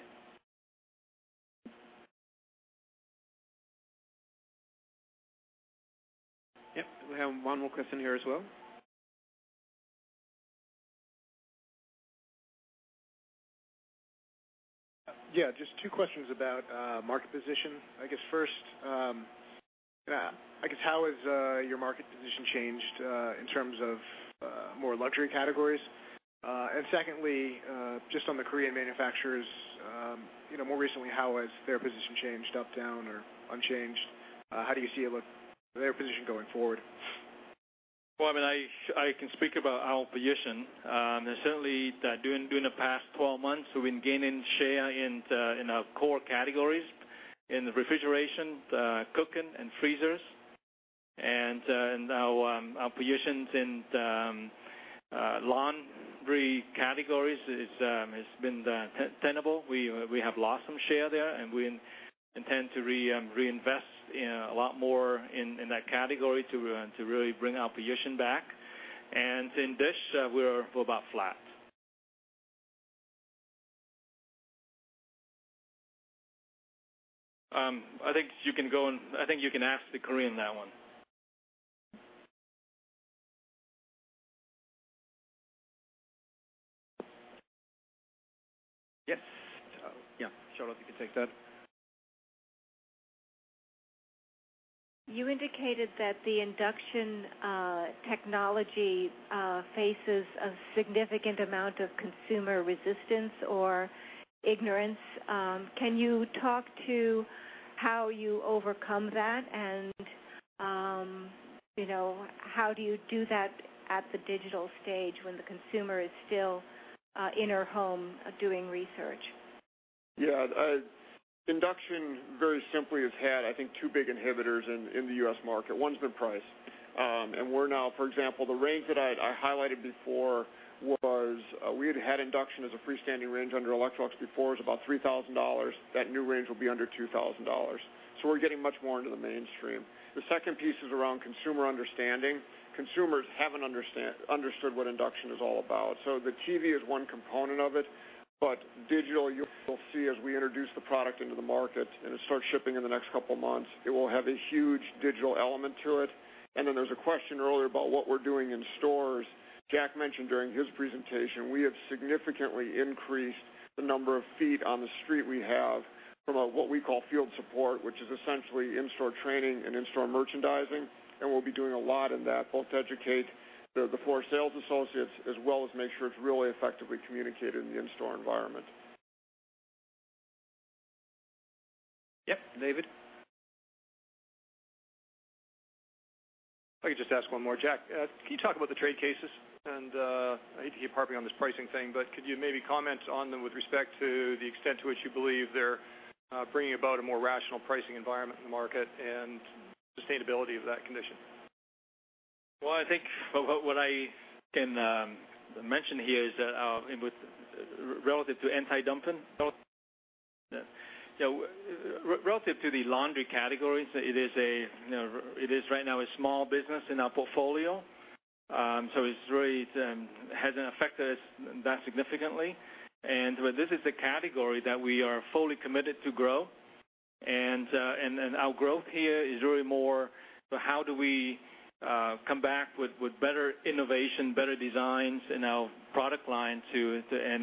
Yep. We have one more question here as well. Just two questions about market position. I guess first, how has your market position changed in terms of more luxury categories? Secondly, just on the Korean manufacturers, you know, more recently, how has their position changed, up, down, or unchanged? How do you see their position going forward? Well, I mean, I can speak about our position. Certainly, during the past 12 months, we've been gaining share in our core categories, in the refrigeration, cooking, and freezers. And our positions in the laundry categories is has been tenable. We have lost some share there, and we intend to reinvest in a lot more in that category to really bring our position back. In dish, we're about flat. I think you can go and I think you can ask the Korean that one. Yes. yeah, Charlotte, you can take that. You indicated that the induction technology faces a significant amount of consumer resistance or ignorance. Can you talk to how you overcome that? You know, how do you do that at the digital stage when the consumer is still in her home doing research? Yeah, induction, very simply, has had, I think, two big inhibitors in the U.S. market. One's been price. We're now, for example, the range that I highlighted before was, we had induction as a freestanding range under Electrolux before. It was about $3,000. That new range will be under $2,000. We're getting much more into the mainstream. The second piece is around consumer understanding. Consumers haven't understood what induction is all about. The TV is one component of it, digital, you will see as we introduce the product into the market, it starts shipping in the next couple of months, it will have a huge digital element to it. There's a question earlier about what we're doing in stores. Jack mentioned during his presentation, we have significantly increased the number of feet on the street we have from what we call field support, which is essentially in-store training and in-store merchandising. We'll be doing a lot in that, both to educate the floor sales associates, as well as make sure it's really effectively communicated in the in-store environment. Yep, David? If I could just ask one more. Jack, can you talk about the trade cases? I hate to keep harping on this pricing thing, but could you maybe comment on them with respect to the extent to which you believe they're bringing about a more rational pricing environment in the market and sustainability of that condition? Well, I think what I can mention here is that with relative to anti-dumping, yeah, relative to the laundry categories, it is a, you know, it is right now a small business in our portfolio. So it's really hasn't affected us that significantly. But this is the category that we are fully committed to grow. Our growth here is really more so how do we come back with better innovation, better designs in our product line to, and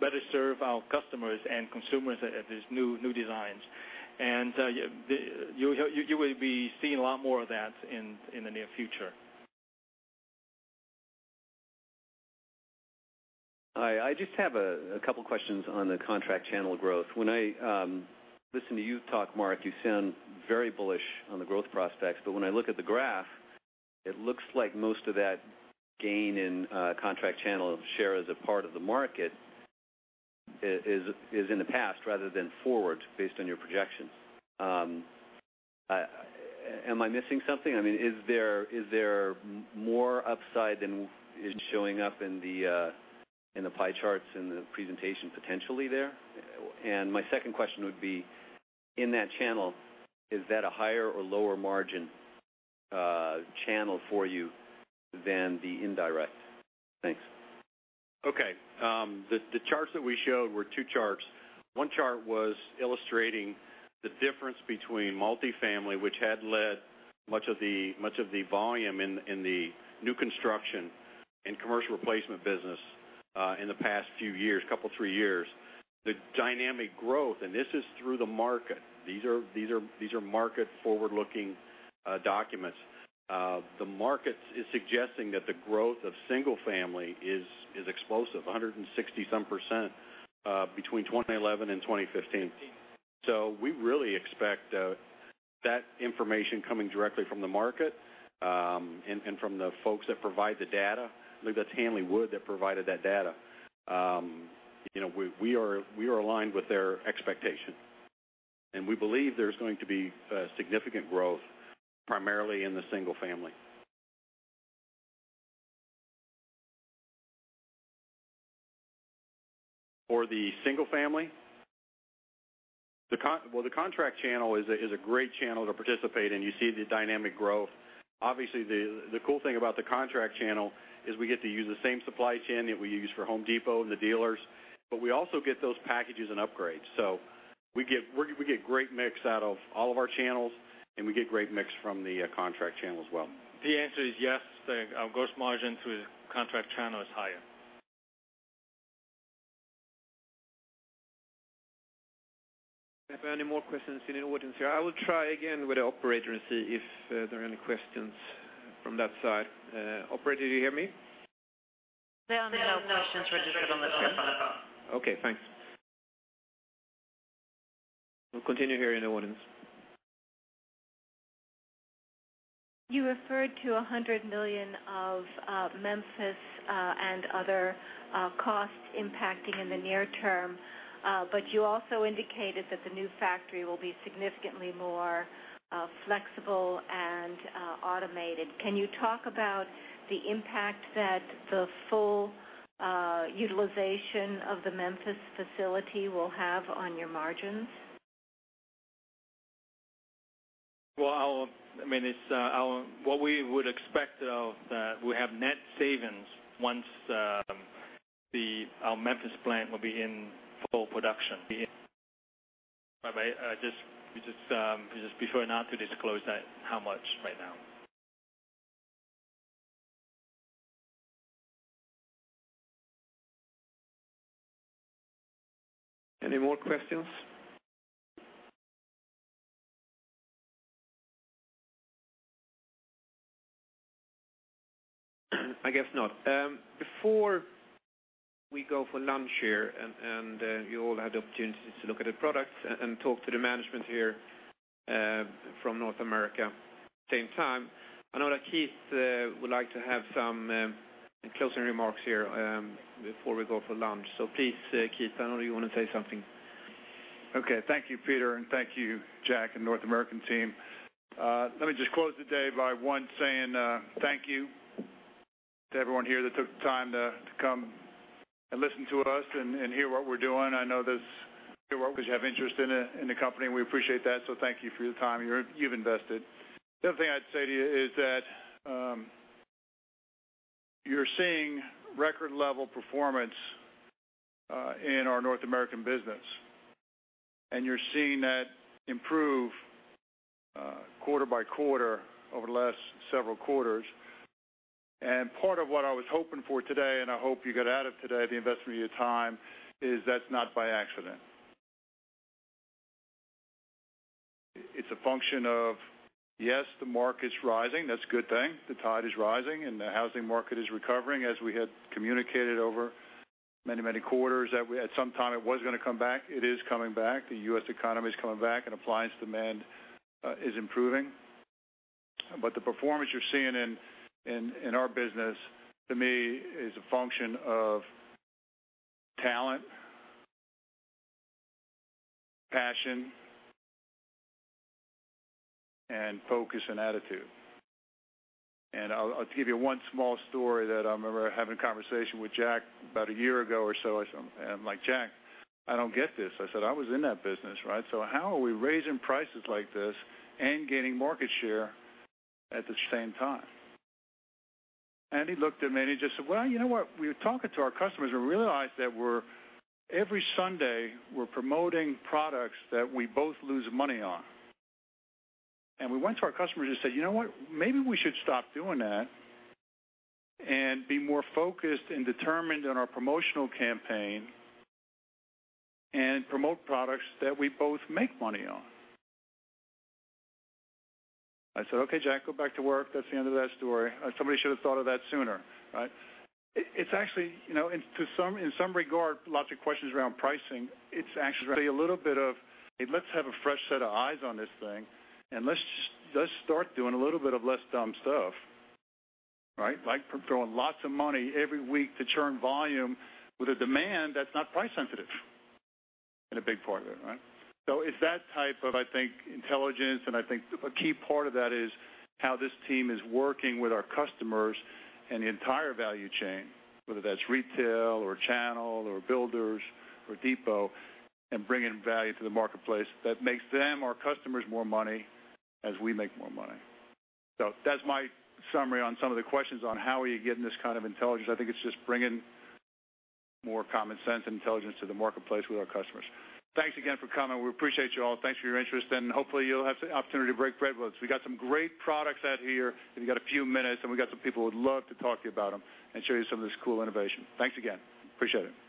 better serve our customers and consumers at these new designs? The... You will be seeing a lot more of that in the near future. Hi. I just have a couple questions on the contract channel growth. When I listen to you talk, Mark, you sound very bullish on the growth prospects, but when I look at the graph, it looks like most of that gain in contract channel share as a part of the market is in the past rather than forward, based on your projections. Am I missing something? I mean, is there more upside than is showing up in the pie charts in the presentation potentially there? My second question would be: In that channel, is that a higher or lower margin channel for you than the indirect? Thanks. Okay. The charts that we showed were two charts. One chart was illustrating the difference between multifamily, which had led much of the volume in the new construction and commercial replacement business in the past few years, couple, three years. The dynamic growth, this is through the market, these are market forward-looking documents. The market is suggesting that the growth of single family is explosive, 160 some % between 2011 and 2015. We really expect that information coming directly from the market and from the folks that provide the data. I believe that's Hanley Wood that provided that data. You know, we are aligned with their expectation. We believe there's going to be significant growth, primarily in the single family. For the single family? Well, the contract channel is a great channel to participate in. You see the dynamic growth. Obviously, the cool thing about the contract channel is we get to use the same supply chain that we use for Home Depot and the dealers, but we also get those packages and upgrades. We get great mix out of all of our channels, and we get great mix from the contract channel as well. The answer is yes. Our gross margin through the contract channel is higher. Are there any more questions in the audience here? I will try again with the operator and see if there are any questions from that side. Operator, do you hear me? There are no questions registered on the phone. Okay, thanks. We'll continue here in the audience. You referred to $100 million of Memphis and other costs impacting in the near term. You also indicated that the new factory will be significantly more flexible and automated. Can you talk about the impact that the full utilization of the Memphis facility will have on your margins? Well, our, I mean, it's, our, what we would expect of, we have net savings once, the, our Memphis plant will be in full production. We just prefer not to disclose that, how much right now. Any more questions? I guess not. Before we go for lunch here, and you all had the opportunity to look at the products and talk to the management here, from North America same time, I know that Keith would like to have some closing remarks here, before we go for lunch. Please, Keith, I know you want to say something. Okay. Thank you, Peter, and thank you, Jack and North American team. Let me just close the day by, one, saying, thank you to everyone here that took the time to come and listen to us and hear what we're doing. I know this, because you have interest in the company, we appreciate that, so thank you for your time you've invested. The other thing I'd say to you is that, you're seeing record-level performance, in our North American business, and you're seeing that improve, quarter by quarter over the last several quarters. Part of what I was hoping for today, and I hope you get out of today, the investment of your time, is that's not by accident. It's a function of, yes, the market's rising, that's a good thing. The tide is rising, the housing market is recovering, as we had communicated over many, many quarters, that at some time it was going to come back. It is coming back. The U.S. economy is coming back, and appliance demand is improving. The performance you're seeing in our business, to me, is a function of talent, passion, and focus, and attitude. I'll give you one small story that I remember having a conversation with Jack about a year ago or so. I said, I'm like: "Jack, I don't get this." I said, "I was in that business, right? So how are we raising prices like this and gaining market share at the same time?" He looked at me and he just said: "Well, you know what? We were talking to our customers and realized that we're every Sunday, we're promoting products that we both lose money on. We went to our customers and said, 'You know what? Maybe we should stop doing that and be more focused and determined on our promotional campaign, and promote products that we both make money on.' I said, "Okay, Jack, go back to work. That's the end of that story. Somebody should have thought of that sooner," right? It's actually, you know, in some regard, lots of questions around pricing. It's actually a little bit of, "Hey, let's have a fresh set of eyes on this thing, and let's just, let's start doing a little bit of less dumb stuff," right? Like throwing lots of money every week to churn volume with a demand that's not price sensitive in a big part of it, right? It's that type of, I think, intelligence, and I think a key part of that is how this team is working with our customers and the entire value chain, whether that's retail, or channel, or builders, or depot, and bringing value to the marketplace that makes them, our customers, more money as we make more money. That's my summary on some of the questions on how are you getting this kind of intelligence. I think it's just bringing more common sense and intelligence to the marketplace with our customers. Thanks again for coming. We appreciate you all. Thanks for your interest, and hopefully, you'll have the opportunity to break bread with us. We got some great products out here, if you got a few minutes, and we got some people who would love to talk to you about them and show you some of this cool innovation. Thanks again. Appreciate it.